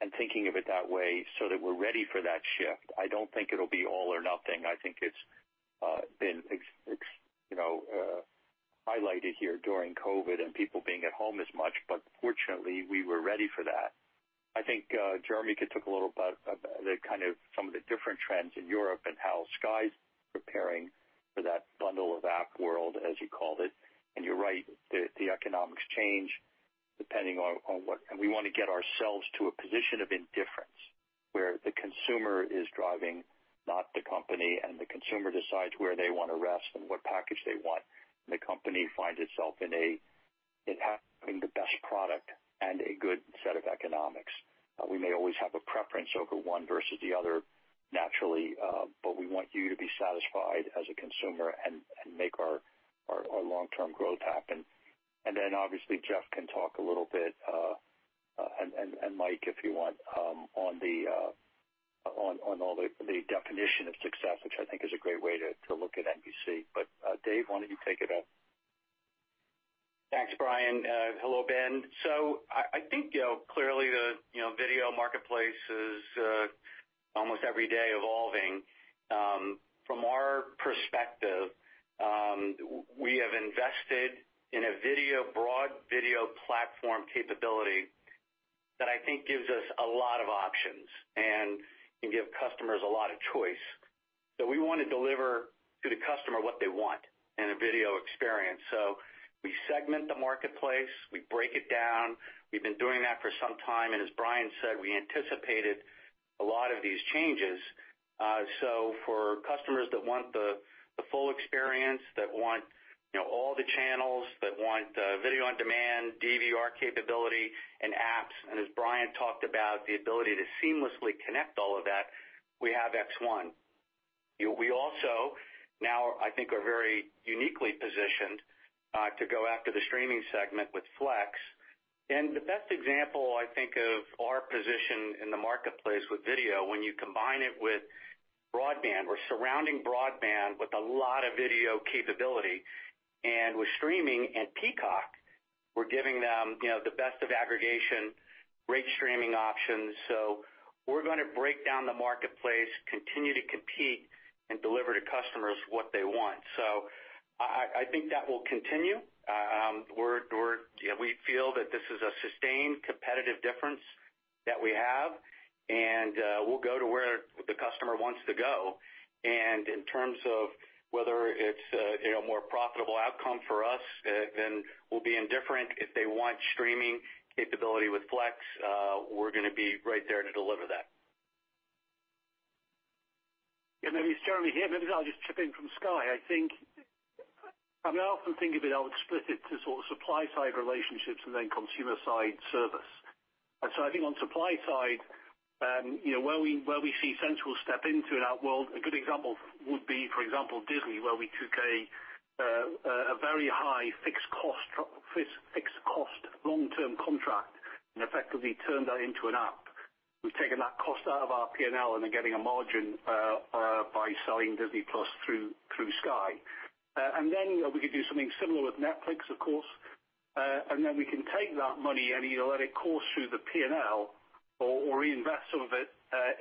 S3: and thinking of it that way so that we're ready for that shift. I don't think it'll be all or nothing. I think it's been you know, highlighted here during COVID-19 and people being at home as much, but fortunately, we were ready for that. I think, Jeremy could talk a little about the kind of some of the different trends in Europe and how Sky's preparing for that bundle of app world, as you called it. You're right, the economics change depending on what. We wanna get ourselves to a position of indifference, where the consumer is driving, not the company, and the consumer decides where they wanna rest and what package they want. We may always have a preference over one versus the other naturally, but we want you to be satisfied as a consumer and make our long-term growth happen. Then obviously, Jeff can talk a little bit, and Mike, if you want, on all the definition of success, which I think is a great way to look at NBC. Dave, why don't you take it up?
S8: Thanks, Brian. Hello, Ben. I think, you know, clearly the, you know, video marketplace is almost every day evolving. From our perspective, we have invested in a video, broad video platform capability that I think gives us a lot of options and can give customers a lot of choice. We wanna deliver to the customer what they want in a video experience. We segment the marketplace, we break it down. We've been doing that for some time, and as Brian said, we anticipated a lot of these changes. For customers that want the full experience, that want, you know, all the channels, that want, video on demand, DVR capability and apps, and as Brian talked about, the ability to seamlessly connect all of that, we have X1. You know, we also now I think are very uniquely positioned to go after the streaming segment with Flex. The best example I think of our position in the marketplace with video, when you combine it with broadband, we're surrounding broadband with a lot of video capability. With streaming and Peacock, we're giving them, you know, the best of aggregation, great streaming options. We're gonna break down the marketplace, continue to compete and deliver to customers what they want. I think that will continue. You know, we feel that this is a sustained competitive difference that we have, and we'll go to where the customer wants to go. In terms of whether it's a, you know, more profitable outcome for us, then we'll be indifferent. If they want streaming capability with Flex, we're gonna be right there to deliver that.
S9: Yeah. Maybe Jeremy here, maybe I'll just chip in from Sky. I think, I mean, I often think of it, I would split it to sort of supply side relationships and then consumer side service. I think on supply side, you know, where we see central step into in our world, a good example would be, for example, Disney, where we took a very high fixed cost long-term contract and effectively turned that into an app. We've taken that cost out of our P&L and are getting a margin by selling Disney+ through Sky. You know, we could do something similar with Netflix, of course. Then we can take that money and, you know, let it course through the P&L or reinvest some of it,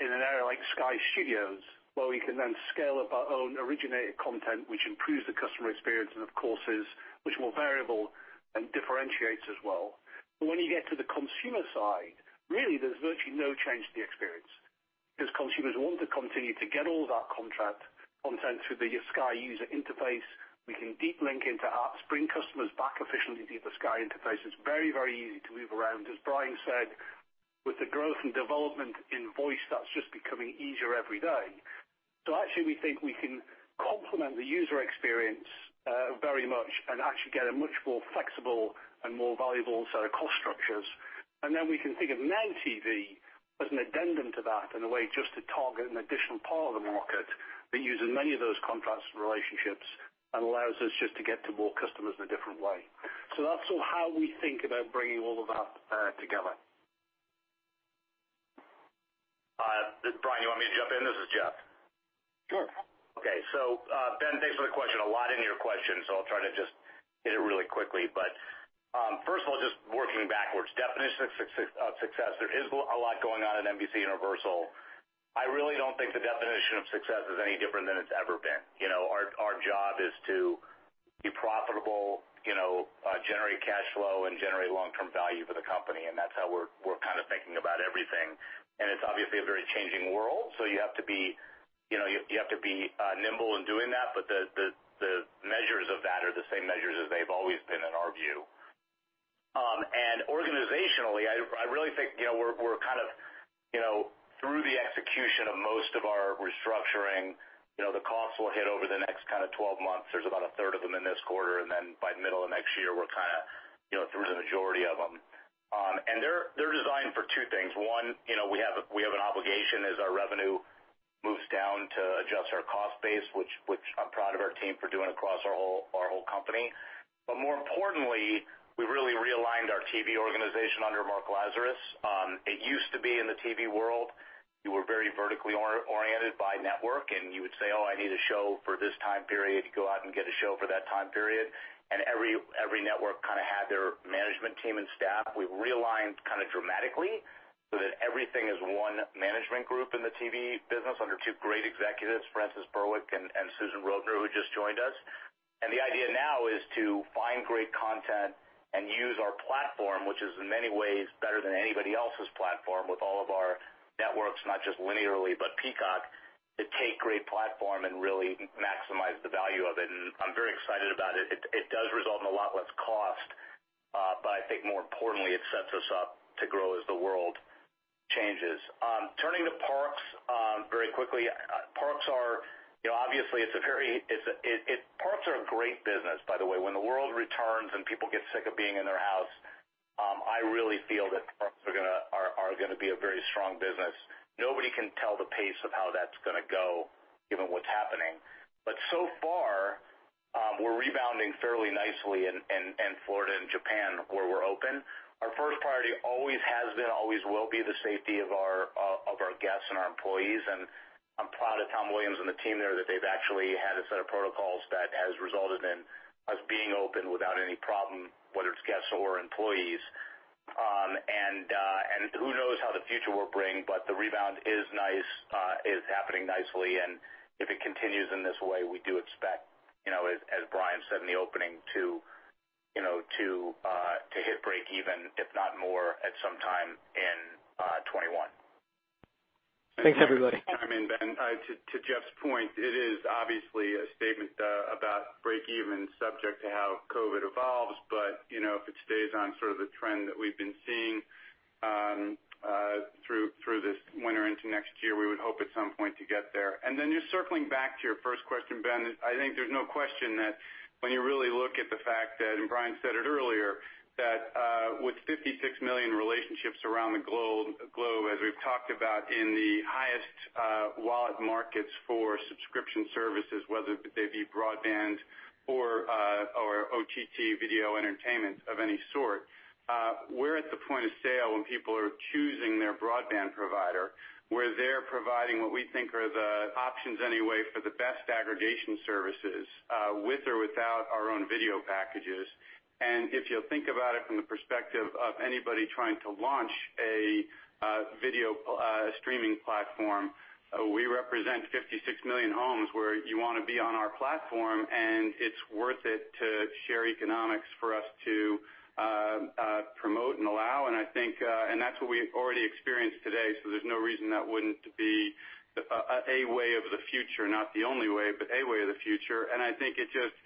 S9: in an area like Sky Studios, where we can then scale up our own originated content, which improves the customer experience and of course is much more variable and differentiates as well. When you get to the consumer side, really there's virtually no change to the experience because consumers want to continue to get all of our contract content through the Sky user interface. We can deep link into apps, bring customers back efficiently to the Sky interface. It's very easy to move around. As Brian said, with the growth and development in voice, that's just becoming easier every day. Actually, we think we can complement the user experience, very much and actually get a much more flexible and more valuable set of cost structures. Then we can think of NOW TV as an addendum to that in a way, just to target an additional part of the market that uses many of those contracts and relationships and allows us just to get to more customers in a different way. That's sort of how we think about bringing all of that, together.
S6: Brian, you want me to jump in? This is Jeff.
S3: Sure.
S6: Okay. Ben, thanks for the question, a lot in your question, so I'll try to just hit it really quickly. First of all, just working backwards, definition of success. There is a lot going on at NBCUniversal. I really don't think the definition of success is any different than it's ever been. You know, our job is to be profitable, you know, generate cash flow and generate long-term value for the company, and that's how we're kind of thinking about everything. It's obviously a very changing world, so you have to be, you know, you have to be nimble in doing that. The measures of that are the same measures as they've always been in our view. Organizationally, I really think we're kind of through the execution of most of our restructuring, the costs will hit over the next kind of 12 months. There's about a third of them in this quarter, then by middle of next year, we're kind of through the majority of them. They're designed for two things. One, we have a, we have an obligation as our revenue moves down to adjust our cost base, which I'm proud of our team for doing across our whole, our whole company. More importantly, we really realigned our TV organization under Mark Lazarus. It used to be in the TV world, you were very vertically oriented by network, and you would say, "Oh, I need a show for this time period." You go out and get a show for that time period. Every network kind of had their management team and staff. We've realigned kind of dramatically so that everything is one management group in the TV business under two great executives, Frances Berwick and Susan Rovner, who just joined us. The idea now is to find great content and use our platform, which is in many ways better than anybody else's platform with all of our networks, not just linearly, but Peacock, to take great platform and really maximize the value of it. I'm very excited about it. It does result in a lot less cost, I think more importantly, it sets us up to grow as the world changes. Turning to Parks, very quickly, Parks are, you know, obviously Parks are a great business, by the way. When the world returns and people get sick of being in their house. I really feel that parks are gonna be a very strong business. Nobody can tell the pace of how that's gonna go given what's happening. So far, we're rebounding fairly nicely in Florida and Japan where we're open. Our first priority always has been, always will be the safety of our guests and our employees. I'm proud of Tom Williams and the team there that they've actually had a set of protocols that has resulted in us being open without any problem, whether it's guests or employees. Who knows how the future will bring, but the rebound is nice, is happening nicely. If it continues in this way, we do expect, you know, as Brian said in the opening to, you know, to hit breakeven if not more at some time in 2021.
S7: Thanks, everybody.
S4: If I can chime in, Ben. To Jeff's point, it is obviously a statement about breakeven subject to how COVID evolves. You know, if it stays on sort of the trend that we've been seeing through this winter into next year, we would hope at some point to get there. Just circling back to your first question, Ben, I think there's no question that when you really look at the fact that, and Brian said it earlier, that, with 56 million relationships around the globe, as we've talked about in the highest, wallet markets for subscription services, whether they be broadband or OTT video entertainment of any sort, we're at the point of sale when people are choosing their broadband provider, where they're providing what we think are the options anyway for the best aggregation services, with or without our own video packages. If you'll think about it from the perspective of anybody trying to launch a, video, streaming platform, we represent 56 million homes where you wanna be on our platform, and it's worth it to share economics for us to, promote and allow. I think, and that's what we already experience today, so there's no reason that wouldn't be a way of the future. Not the only way, but a way of the future. I think it just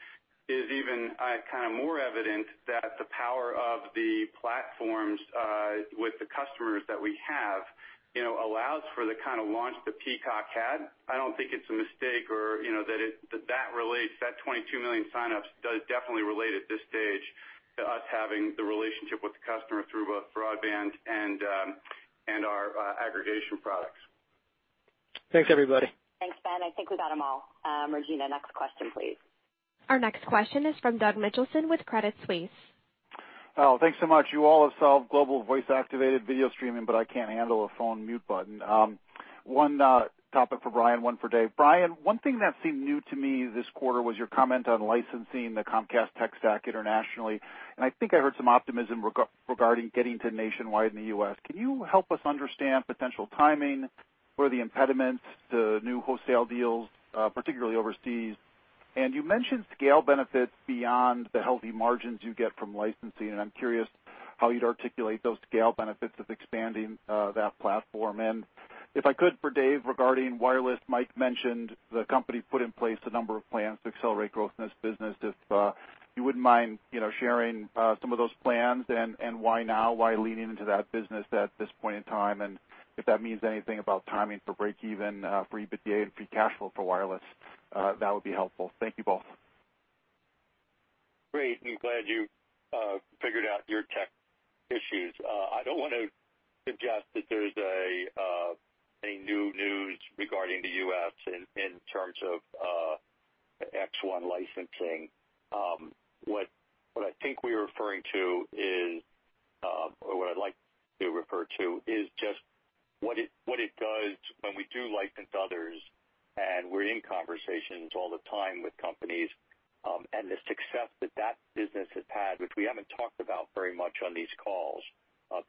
S4: is even kind of more evident that the power of the platforms, with the customers that we have, you know, allows for the kind of launch that Peacock had. I don't think it's a mistake or, you know, that that relates, that 22 million signups does definitely relate at this stage to us having the relationship with the customer through both broadband and our aggregation products.
S7: Thanks, everybody.
S2: Thanks, Ben. I think we got 'em all. Regina, next question, please.
S1: Our next question is from Doug Mitchelson with Credit Suisse.
S10: Thanks so much. You all have solved global voice activated video streaming, but I can't handle a phone mute button. One topic for Brian, one for Dave. Brian, one thing that seemed new to me this quarter was your comment on licensing the Comcast tech stack internationally. I think I heard some optimism regarding getting to nationwide in the U.S. Can you help us understand potential timing or the impediments to new wholesale deals, particularly overseas? You mentioned scale benefits beyond the healthy margins you get from licensing, and I'm curious how you'd articulate those scale benefits of expanding that platform. If I could for Dave, regarding wireless, Mike mentioned the company put in place a number of plans to accelerate growth in this business. If, you wouldn't mind, you know, sharing, some of those plans and why now, why leaning into that business at this point in time, and if that means anything about timing for breakeven, for EBITDA and free cash flow for wireless, that would be helpful. Thank you both.
S3: Great. I'm glad you figured out your tech issues. I don't wanna suggest that there's any new news regarding the U.S. in terms of X1 licensing. What I think we are referring to is, or what I'd like to refer to is just what it does when we do license others, and we're in conversations all the time with companies, and the success that that business has had, which we haven't talked about very much on these calls.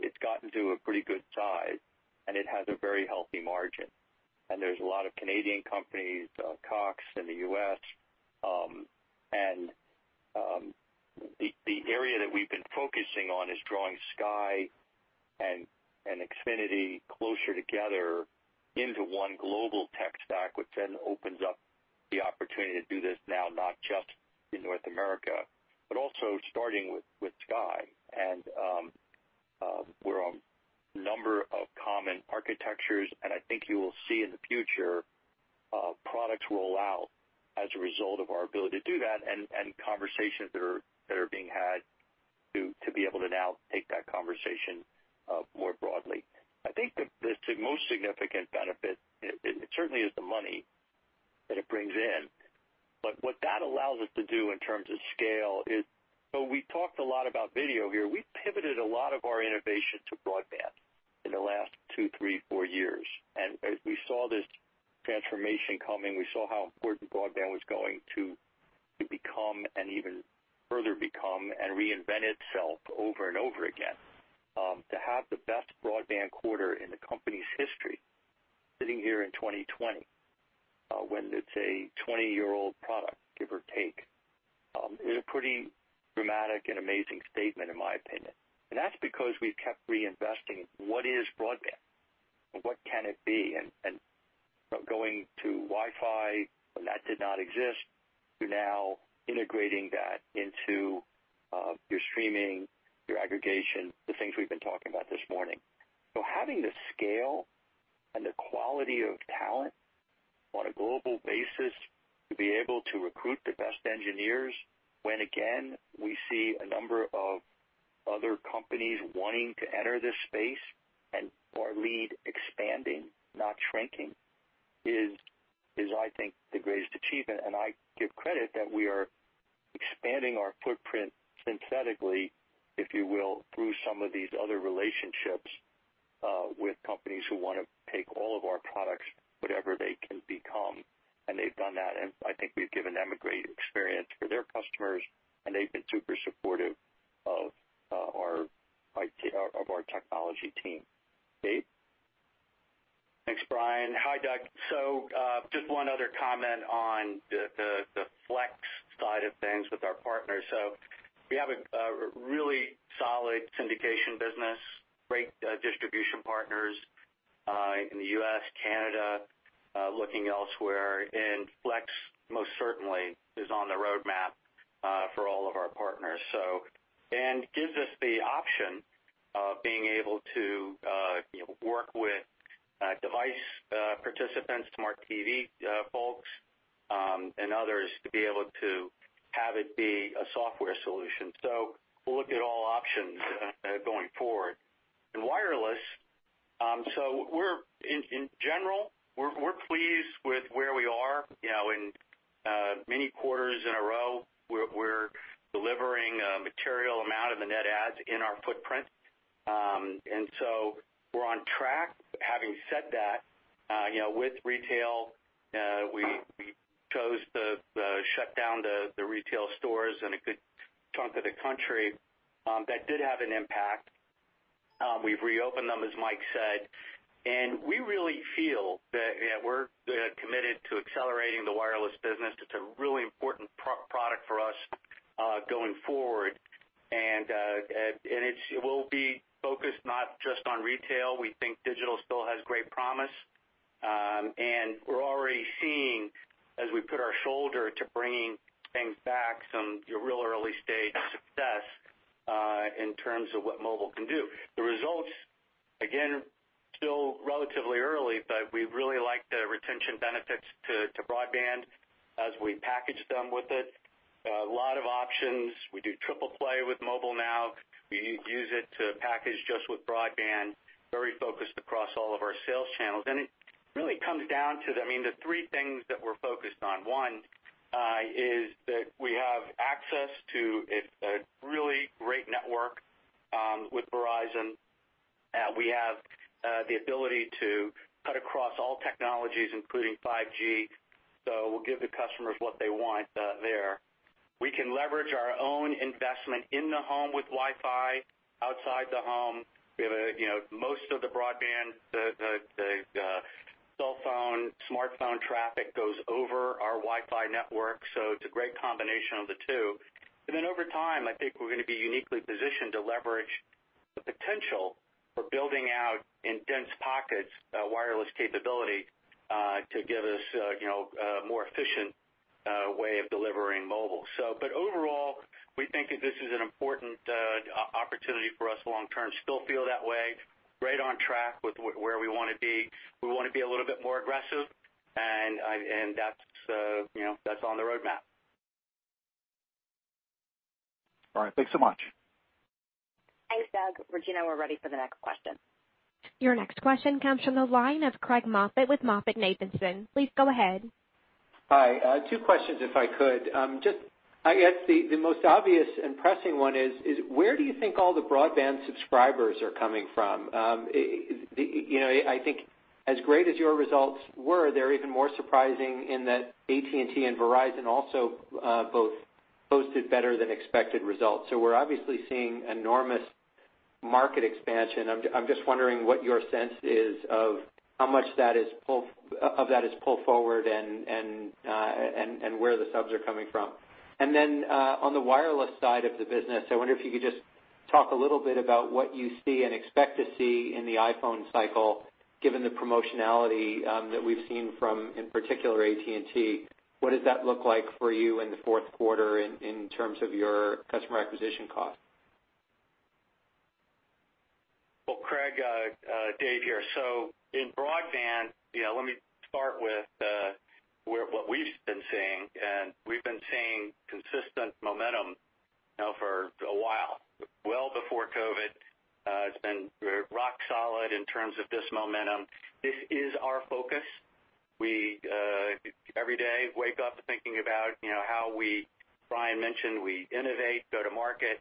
S3: It's gotten to a pretty good size, and it has a very healthy margin. There's a lot of Canadian companies, Cox Communications in the U.S., and the area that we've been focusing on is drawing Sky and Xfinity closer together into one global tech stack, which then opens up the opportunity to do this now not just in North America, but also starting with Sky. We're on number of common architectures, and I think you will see in the future products roll out as a result of our ability to do that and conversations that are being had to be able to now take that conversation more broadly. I think the most significant benefit it certainly is the money that it brings in. What that allows us to do in terms of scale is. We talked a lot about video here. We pivoted a lot of our innovation to broadband in the last two, three, four years. As we saw this transformation coming, we saw how important broadband was going to become and even further become and reinvent itself over and over again. To have the best broadband quarter in the company's history sitting here in 2020, when it's a 20-year-old product, give or take, is a pretty dramatic and amazing statement in my opinion. That's because we've kept reinvesting what is broadband and what can it be and going to Wi-Fi when that did not exist to now integrating that into your streaming, your aggregation, the things we've been talking about this morning. Having the scale and the quality of talent on a global basis, to be able to recruit the best engineers when again, we see a number of other companies wanting to enter this space and our lead expanding, not shrinking, is I think the greatest achievement. I give credit that we are expanding our footprint synthetically, if you will, through some of these other relationships, with companies who wanna take all of our products, whatever they can become. They've done that, and I think we've given them a great experience for their customers, and they've been super supportive of our technology team. Dave?
S8: Thanks, Brian. Hi, Doug. Just one other comment on the, the Flex side of things with our partners. We have a really solid syndication business, great distribution partners in the U.S., Canada, looking elsewhere, and Flex most certainly is on the roadmap for all of our partners. Gives us the option of being able to, you know, work with device participants, smart TV folks, and others to be able to have it be a software solution. We'll look at all options going forward. In wireless, in general, we're pleased with where we are. You know, in many quarters in a row, we're delivering a material amount of the net adds in our footprint. We're on track. Having said that, you know, with retail, we chose to shut down the retail stores in a good chunk of the country, that did have an impact. We've reopened them, as Mike said, and we really feel that, you know, we're committed to accelerating the wireless business. It's a really important product for us going forward. It's -- we'll be focused not just on retail. We think digital still has great promise. We're already seeing as we put our shoulder to bringing things back some, you know, real early stage success in terms of what mobile can do. The results, again, still relatively early, but we really like the retention benefits to broadband as we package them with it. A lot of options. We do triple play with mobile now. We use it to package just with broadband, very focused across all of our sales channels. It really comes down to, I mean, the three things that we're focused on. One, is that we have access to a really great network with Verizon. We have the ability to cut across all technologies, including 5G, so we'll give the customers what they want there. We can leverage our own investment in the home with Wi-Fi. Outside the home, we have, you know, most of the broadband, the cell phone, smartphone traffic goes over our Wi-Fi network, so it's a great combination of the two. Over time, I think we're gonna be uniquely positioned to leverage the potential for building out in dense pockets, wireless capability, to give us a, you know, a more efficient way of delivering mobile. Overall, we think that this is an important opportunity for us long term. Still feel that way. Right on track with where we wanna be. We wanna be a little bit more aggressive, and that's, you know, that's on the roadmap.
S10: All right. Thanks so much.
S2: Thanks, Doug. Regina, we're ready for the next question.
S1: Your next question comes from the line of Craig Moffett with MoffettNathanson. Please go ahead.
S11: Hi. Two questions if I could. The most obvious and pressing one is where do you think all the broadband subscribers are coming from? You know, I think as great as your results were, they're even more surprising in that AT&T and Verizon also both posted better than expected results. We're obviously seeing enormous market expansion. I'm just wondering what your sense is of how much that is pull forward and where the subs are coming from. On the wireless side of the business, I wonder if you could just talk a little bit about what you see and expect to see in the iPhone cycle, given the promotionality that we've seen from, in particular, AT&T. What does that look like for you in the fourth quarter in terms of your customer acquisition cost?
S8: Craig, Dave here. In broadband, you know, let me start with what we've been seeing, and we've been seeing consistent momentum, you know, for a while. Well before COVID-19, it's been we're rock solid in terms of this momentum. This is our focus. We every day wake up thinking about, you know, how we, Brian mentioned, we innovate, go to market.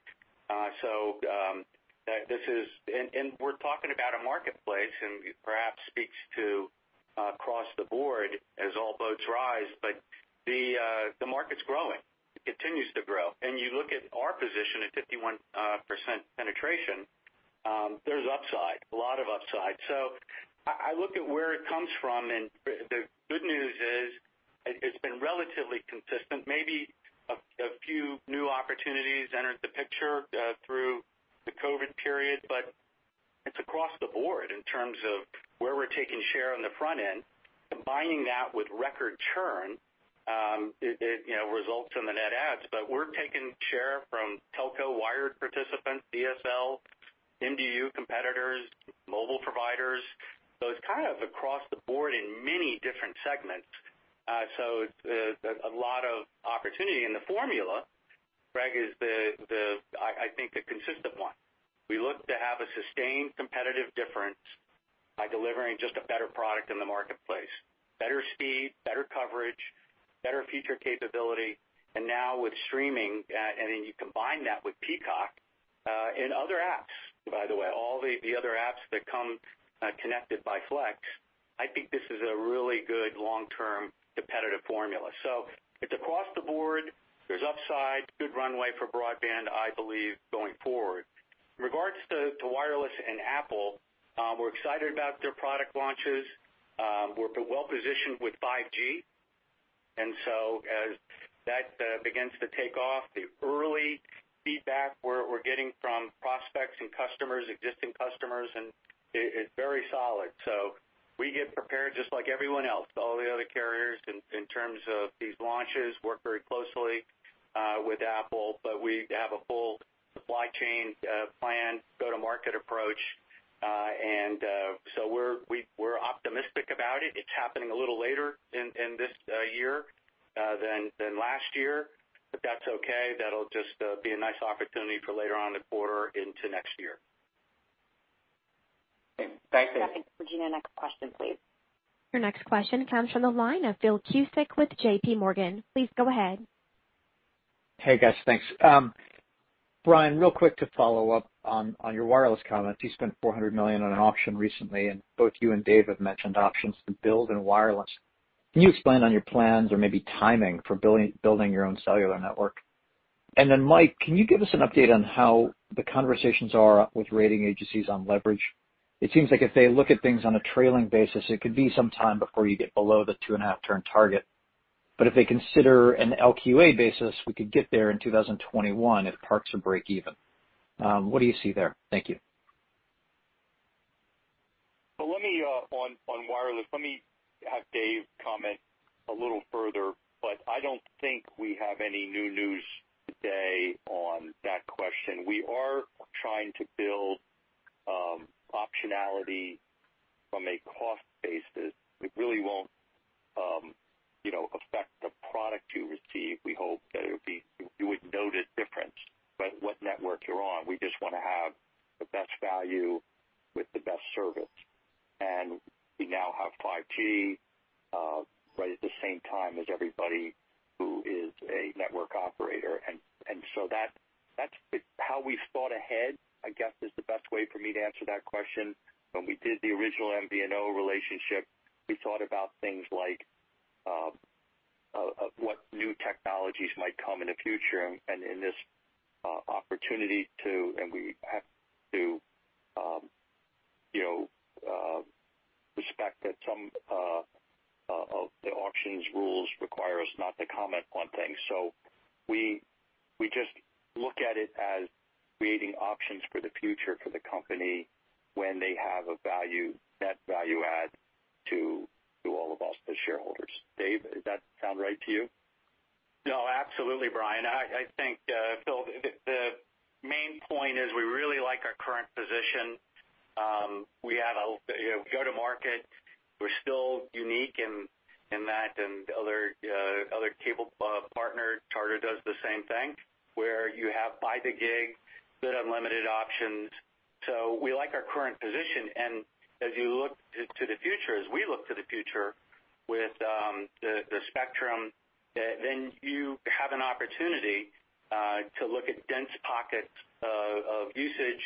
S8: And we're talking about a marketplace and perhaps speaks to across the board as all boats rise, the market's growing. It continues to grow. You look at our position at 51% penetration, there's upside, a lot of upside. I look at where it comes from, the good news is it's been relatively consistent. Maybe a few new opportunities entered the picture through the COVID period, it's across the board in terms of where we're taking share on the front end. Combining that with record churn, you know, results in the net adds. We're taking share from telco wired participants, DSL and MDU competitors, mobile providers. It's kind of across the board in many different segments. There's a lot of opportunity in the formula. Craig is the consistent one. We look to have a sustained competitive difference by delivering just a better product in the marketplace, better speed, better coverage, better feature capability, and now with streaming, and then you combine that with Peacock, and other apps, by the way, all the other apps that come connected by Flex, I think this is a really good long-term competitive formula. It's across the board. There's upside, good runway for broadband, I believe, going forward. In regards to wireless and Apple, we're excited about their product launches. We're well-positioned with 5G. As that begins to take off the early feedback we're getting from prospects and customers, existing customers, and it's very solid. We get prepared just like everyone else, all the other carriers in terms of these launches work very closely with Apple, but we have a full supply chain plan go-to-market approach. We're optimistic about it. It's happening a little later in this year than last year, that's okay. That'll just be a nice opportunity for later on the quarter into next year.
S11: Okay. Thanks, Dave.
S2: Operator, Regina, next question, please.
S1: Your next question comes from the line of Phil Cusick with JPMorgan. Please go ahead.
S12: Hey, guys. Thanks. Brian, real quick to follow up on your wireless comments. You spent $400 million on an auction recently, and both you and Dave have mentioned options to build in wireless. Can you explain on your plans or maybe timing for building your own cellular network? Mike, can you give us an update on how the conversations are with rating agencies on leverage? It seems like if they look at things on a trailing basis, it could be some time before you get below the 2.5x turn target. If they consider an LQA basis, we could get there in 2021 if parts are break even. What do you see there? Thank you.
S3: Well, let me on wireless, let me have Dave comment a little further, but I don't think we have any new news today on that question. We are trying to build optionality from a cost basis. It really won't, you know, affect the product you receive. We hope that it would be you wouldn't note a difference by what network you're on. We just wanna have the best value with the best service. We now have 5G right at the same time as everybody who is a network operator. So that's how we've thought ahead, I guess, is the best way for me to answer that question. When we did the original MVNO relationship, we thought about things like what new technologies might come in the future. We have to, you know, respect that some of the auctions rules require us not to comment on things. We just look at it as creating options for the future for the company when they have a value, net value add to all of us as shareholders. Dave, does that sound right to you?
S8: No, absolutely, Brian. I think, Phil, the main point is we really like our current position. We have a, you know, go-to-market. We're still unique in that and other cable partner, Charter does the same thing where you have buy the gig, the unlimited options. We like our current position. As you look to the future, as we look to the future with the spectrum, then you have an opportunity to look at dense pockets of usage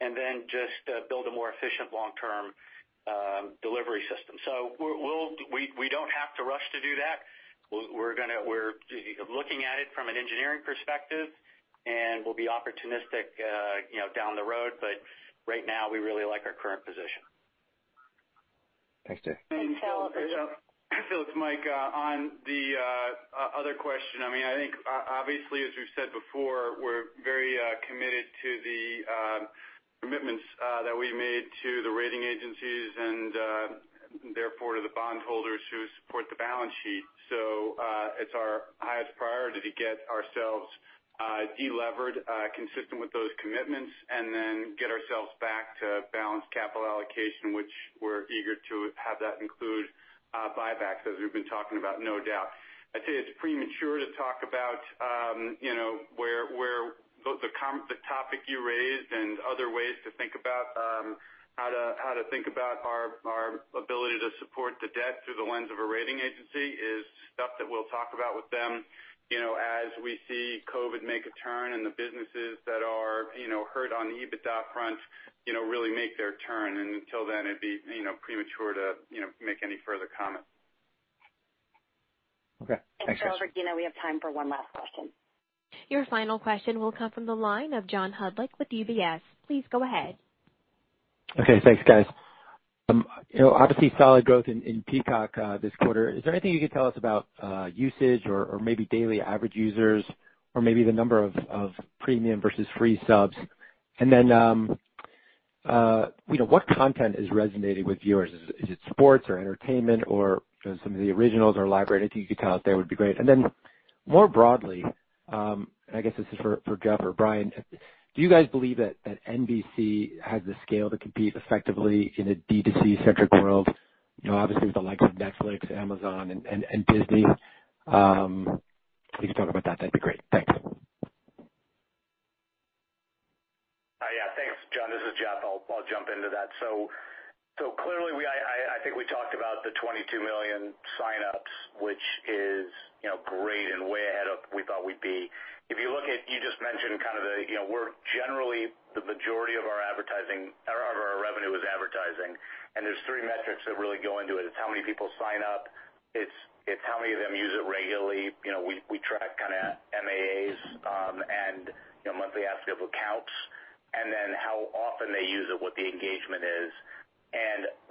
S8: and then just build a more efficient long-term delivery system. We don't have to rush to do that. We're looking at it from an engineering perspective, and we'll be opportunistic, you know, down the road. Right now, we really like our current position.
S12: Thanks, Dave.
S2: Phil.
S4: Phil, it's Mike, on the other question. I mean, I think obviously, as we've said before, we're very committed to the commitments that we made to the rating agencies and therefore to the bondholders who support the balance sheet. It's our highest priority to get ourselves delevered consistent with those commitments and then get ourselves back to balanced capital allocation, which we're eager to have that include buybacks, as we've been talking about, no doubt. I'd say it's premature to talk about, you know, where the topic you raised and other ways to think about, how to think about our ability to support the debt through the lens of a rating agency is stuff that we'll talk about with them, you know, as we see COVID make a turn and the businesses that are, you know, hurt on the EBITDA front, you know, really make their turn. Until then, it'd be, you know, premature to, you know, make any further comments.
S12: Okay. Thanks, Mike.
S2: Thanks Phil, Regina, we have time for one last question.
S1: Your final question will come from the line of John Hodulik with UBS. Please go ahead.
S13: Okay, thanks, guys. You know, obviously solid growth in Peacock this quarter. Is there anything you could tell us about usage or maybe daily average users or maybe the number of premium versus free subs? You know, what content is resonating with viewers? Is it sports or entertainment or, you know, some of the originals or library? Anything you could tell us there would be great. More broadly, I guess this is for Jeff or Brian, do you guys believe that NBC has the scale to compete effectively in a D2C-centric world, you know, obviously with the likes of Netflix, Amazon and Disney? If you could talk about that'd be great. Thanks.
S6: Yeah. Thanks, John. This is Jeff. I'll jump into that. Clearly, I think we talked about the 22 million signups, which is, you know, great and way ahead of where we thought we'd be. If you look at You just mentioned the, you know, we're generally the majority of our advertising or of our revenue is advertising, and there's three metrics that really go into it. It's how many people sign up. It's how many of them use it regularly. You know, we track MAAs. You know, monthly active accounts. Then how often they use it, what the engagement is.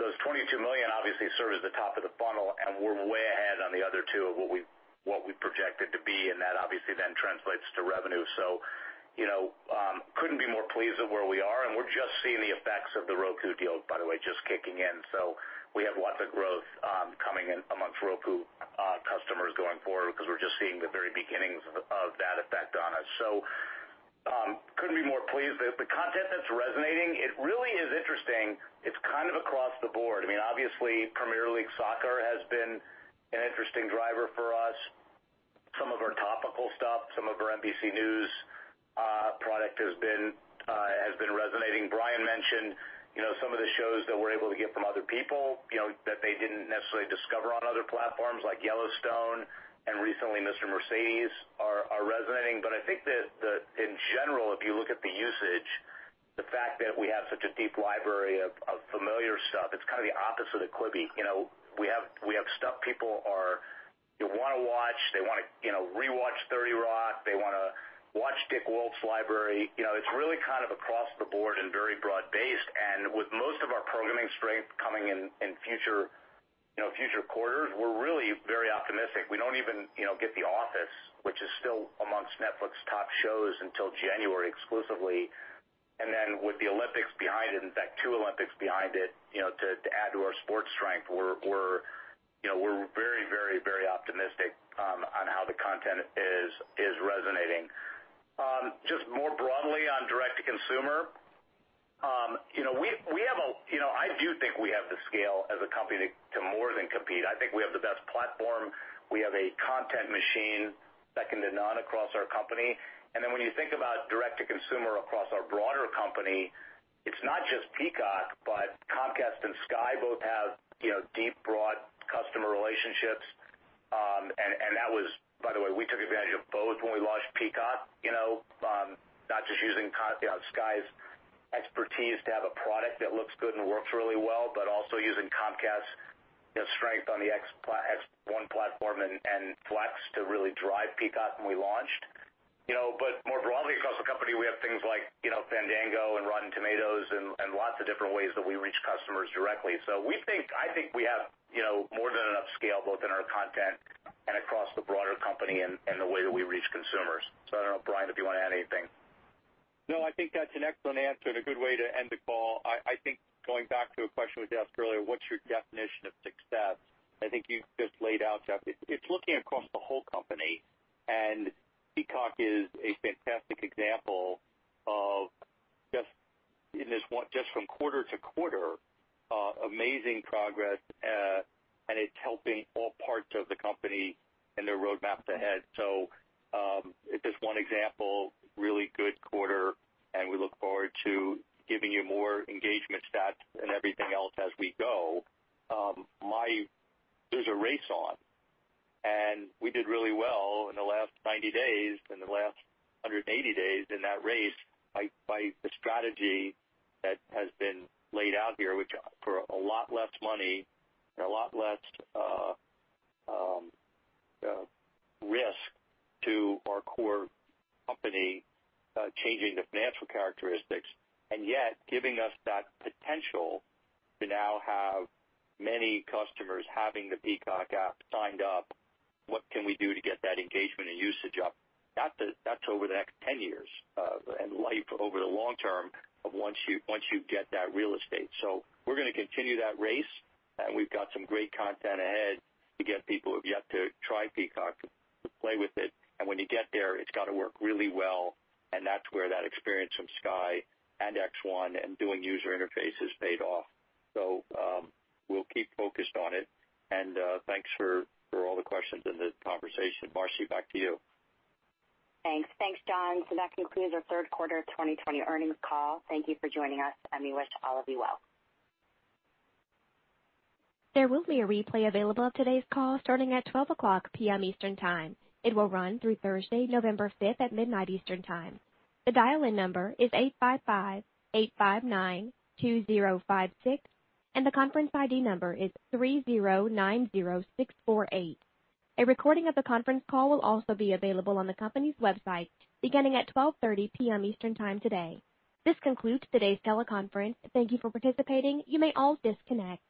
S6: Those 22 million obviously serve as the top of the funnel. We're way ahead on the other two of what we projected to be. That obviously then translates to revenue. You know, couldn't be more pleased at where we are, and we're just seeing the effects of the Roku deal, by the way, just kicking in. We have lots of growth coming in amongst Roku customers going forward 'cause we're just seeing the very beginnings of that effect on us. Couldn't be more pleased. The content that's resonating, it really is interesting. It's kind of across the board. I mean, obviously, Premier League Soccer has been an interesting driver for us. Some of our topical stuff, some of our NBC News product has been resonating. Brian mentioned, you know, some of the shows that we're able to get from other people, you know, that they didn't necessarily discover on other platforms like Yellowstone and recently Mr. Mercedes are resonating. I think that in general, if you look at the usage, the fact that we have such a deep library of familiar stuff, it's kind of the opposite of Quibi. You know, we have stuff people want to watch. They want to, you know, rewatch 30 Rock. They want to watch Dick Wolf's library. You know, it's really kind of across the board and very broad-based. With most of our programming strength coming in future, you know, future quarters, we're really very optimistic. We don't even, you know, get The Office, which is still amongst Netflix top shows until January exclusively. With the Olympics behind it, in fact, two Olympics behind it, you know, to add to our sports strength, we're, you know, we're very optimistic on how the content is resonating. Just more broadly on D2C, you know, we have a You know, I do think we have the scale as a company to more than compete. I think we have the best platform. We have a content machine second to none across our company. When you think about D2C across our broader company, it's not just Peacock, but Comcast and Sky both have, you know, deep, broad customer relationships. And that was, by the way, we took advantage of both when we launched Peacock, you know, not just using you know, Sky's expertise to have a product that looks good and works really well, but also using Comcast, you know, strength on the X1 platform and Flex to really drive Peacock when we launched. You know, more broadly across the company, we have things like, you know, Fandango and Rotten Tomatoes and lots of different ways that we reach customers directly. I think we have, you know, more than enough scale both in our content and across the broader company and the way that we reach consumers. I don't know, Brian, if you wanna add anything.
S3: No, I think that's an excellent answer and a good way to end the call. I think going back to a question we asked earlier, what's your definition of success? I think you just laid out, Jeff. It's looking across the whole company, and Peacock is a fantastic example of just from quarter to quarter, amazing progress, and it's helping all parts of the company and their roadmap to ahead. It is one example, really good quarter, and we look forward to giving you more engagement stats and everything else as we go. There's a race on, and we did really well in the last 90 days, in the last 180 days in that race by the strategy that has been laid out here. We've got for a lot less money and a lot less risk to our core company, changing the financial characteristics and yet giving us that potential to now have many customers having the Peacock app signed up, what can we do to get that engagement and usage up? That's the, that's over the next 10 years, and life over the long term of once you get that real estate. We're gonna continue that race, and we've got some great content ahead to get people who've yet to try Peacock to play with it. When you get there, it's gotta work really well, and that's where that experience from Sky and X1 and doing user interfaces paid off. We'll keep focused on it. Thanks for all the questions and the conversation. Marci, back to you.
S2: Thanks. Thanks, John. That concludes our third quarter of 2020 earnings call. Thank you for joining us, and we wish all of you well.
S1: There will be a replay available of today's call starting at 12:00 P.M. Eastern Time. It will run through Thursday, November 5th at midnight Eastern Time. The dial-in number is eight five five, eight five nine, two zero five six, and the conference ID number is three zero nine zero six four eight. A recording of the conference call will also be available on the company's website beginning at 12:30 P.M. Eastern Time today. This concludes today's teleconference. Thank you for participating. You may all disconnect.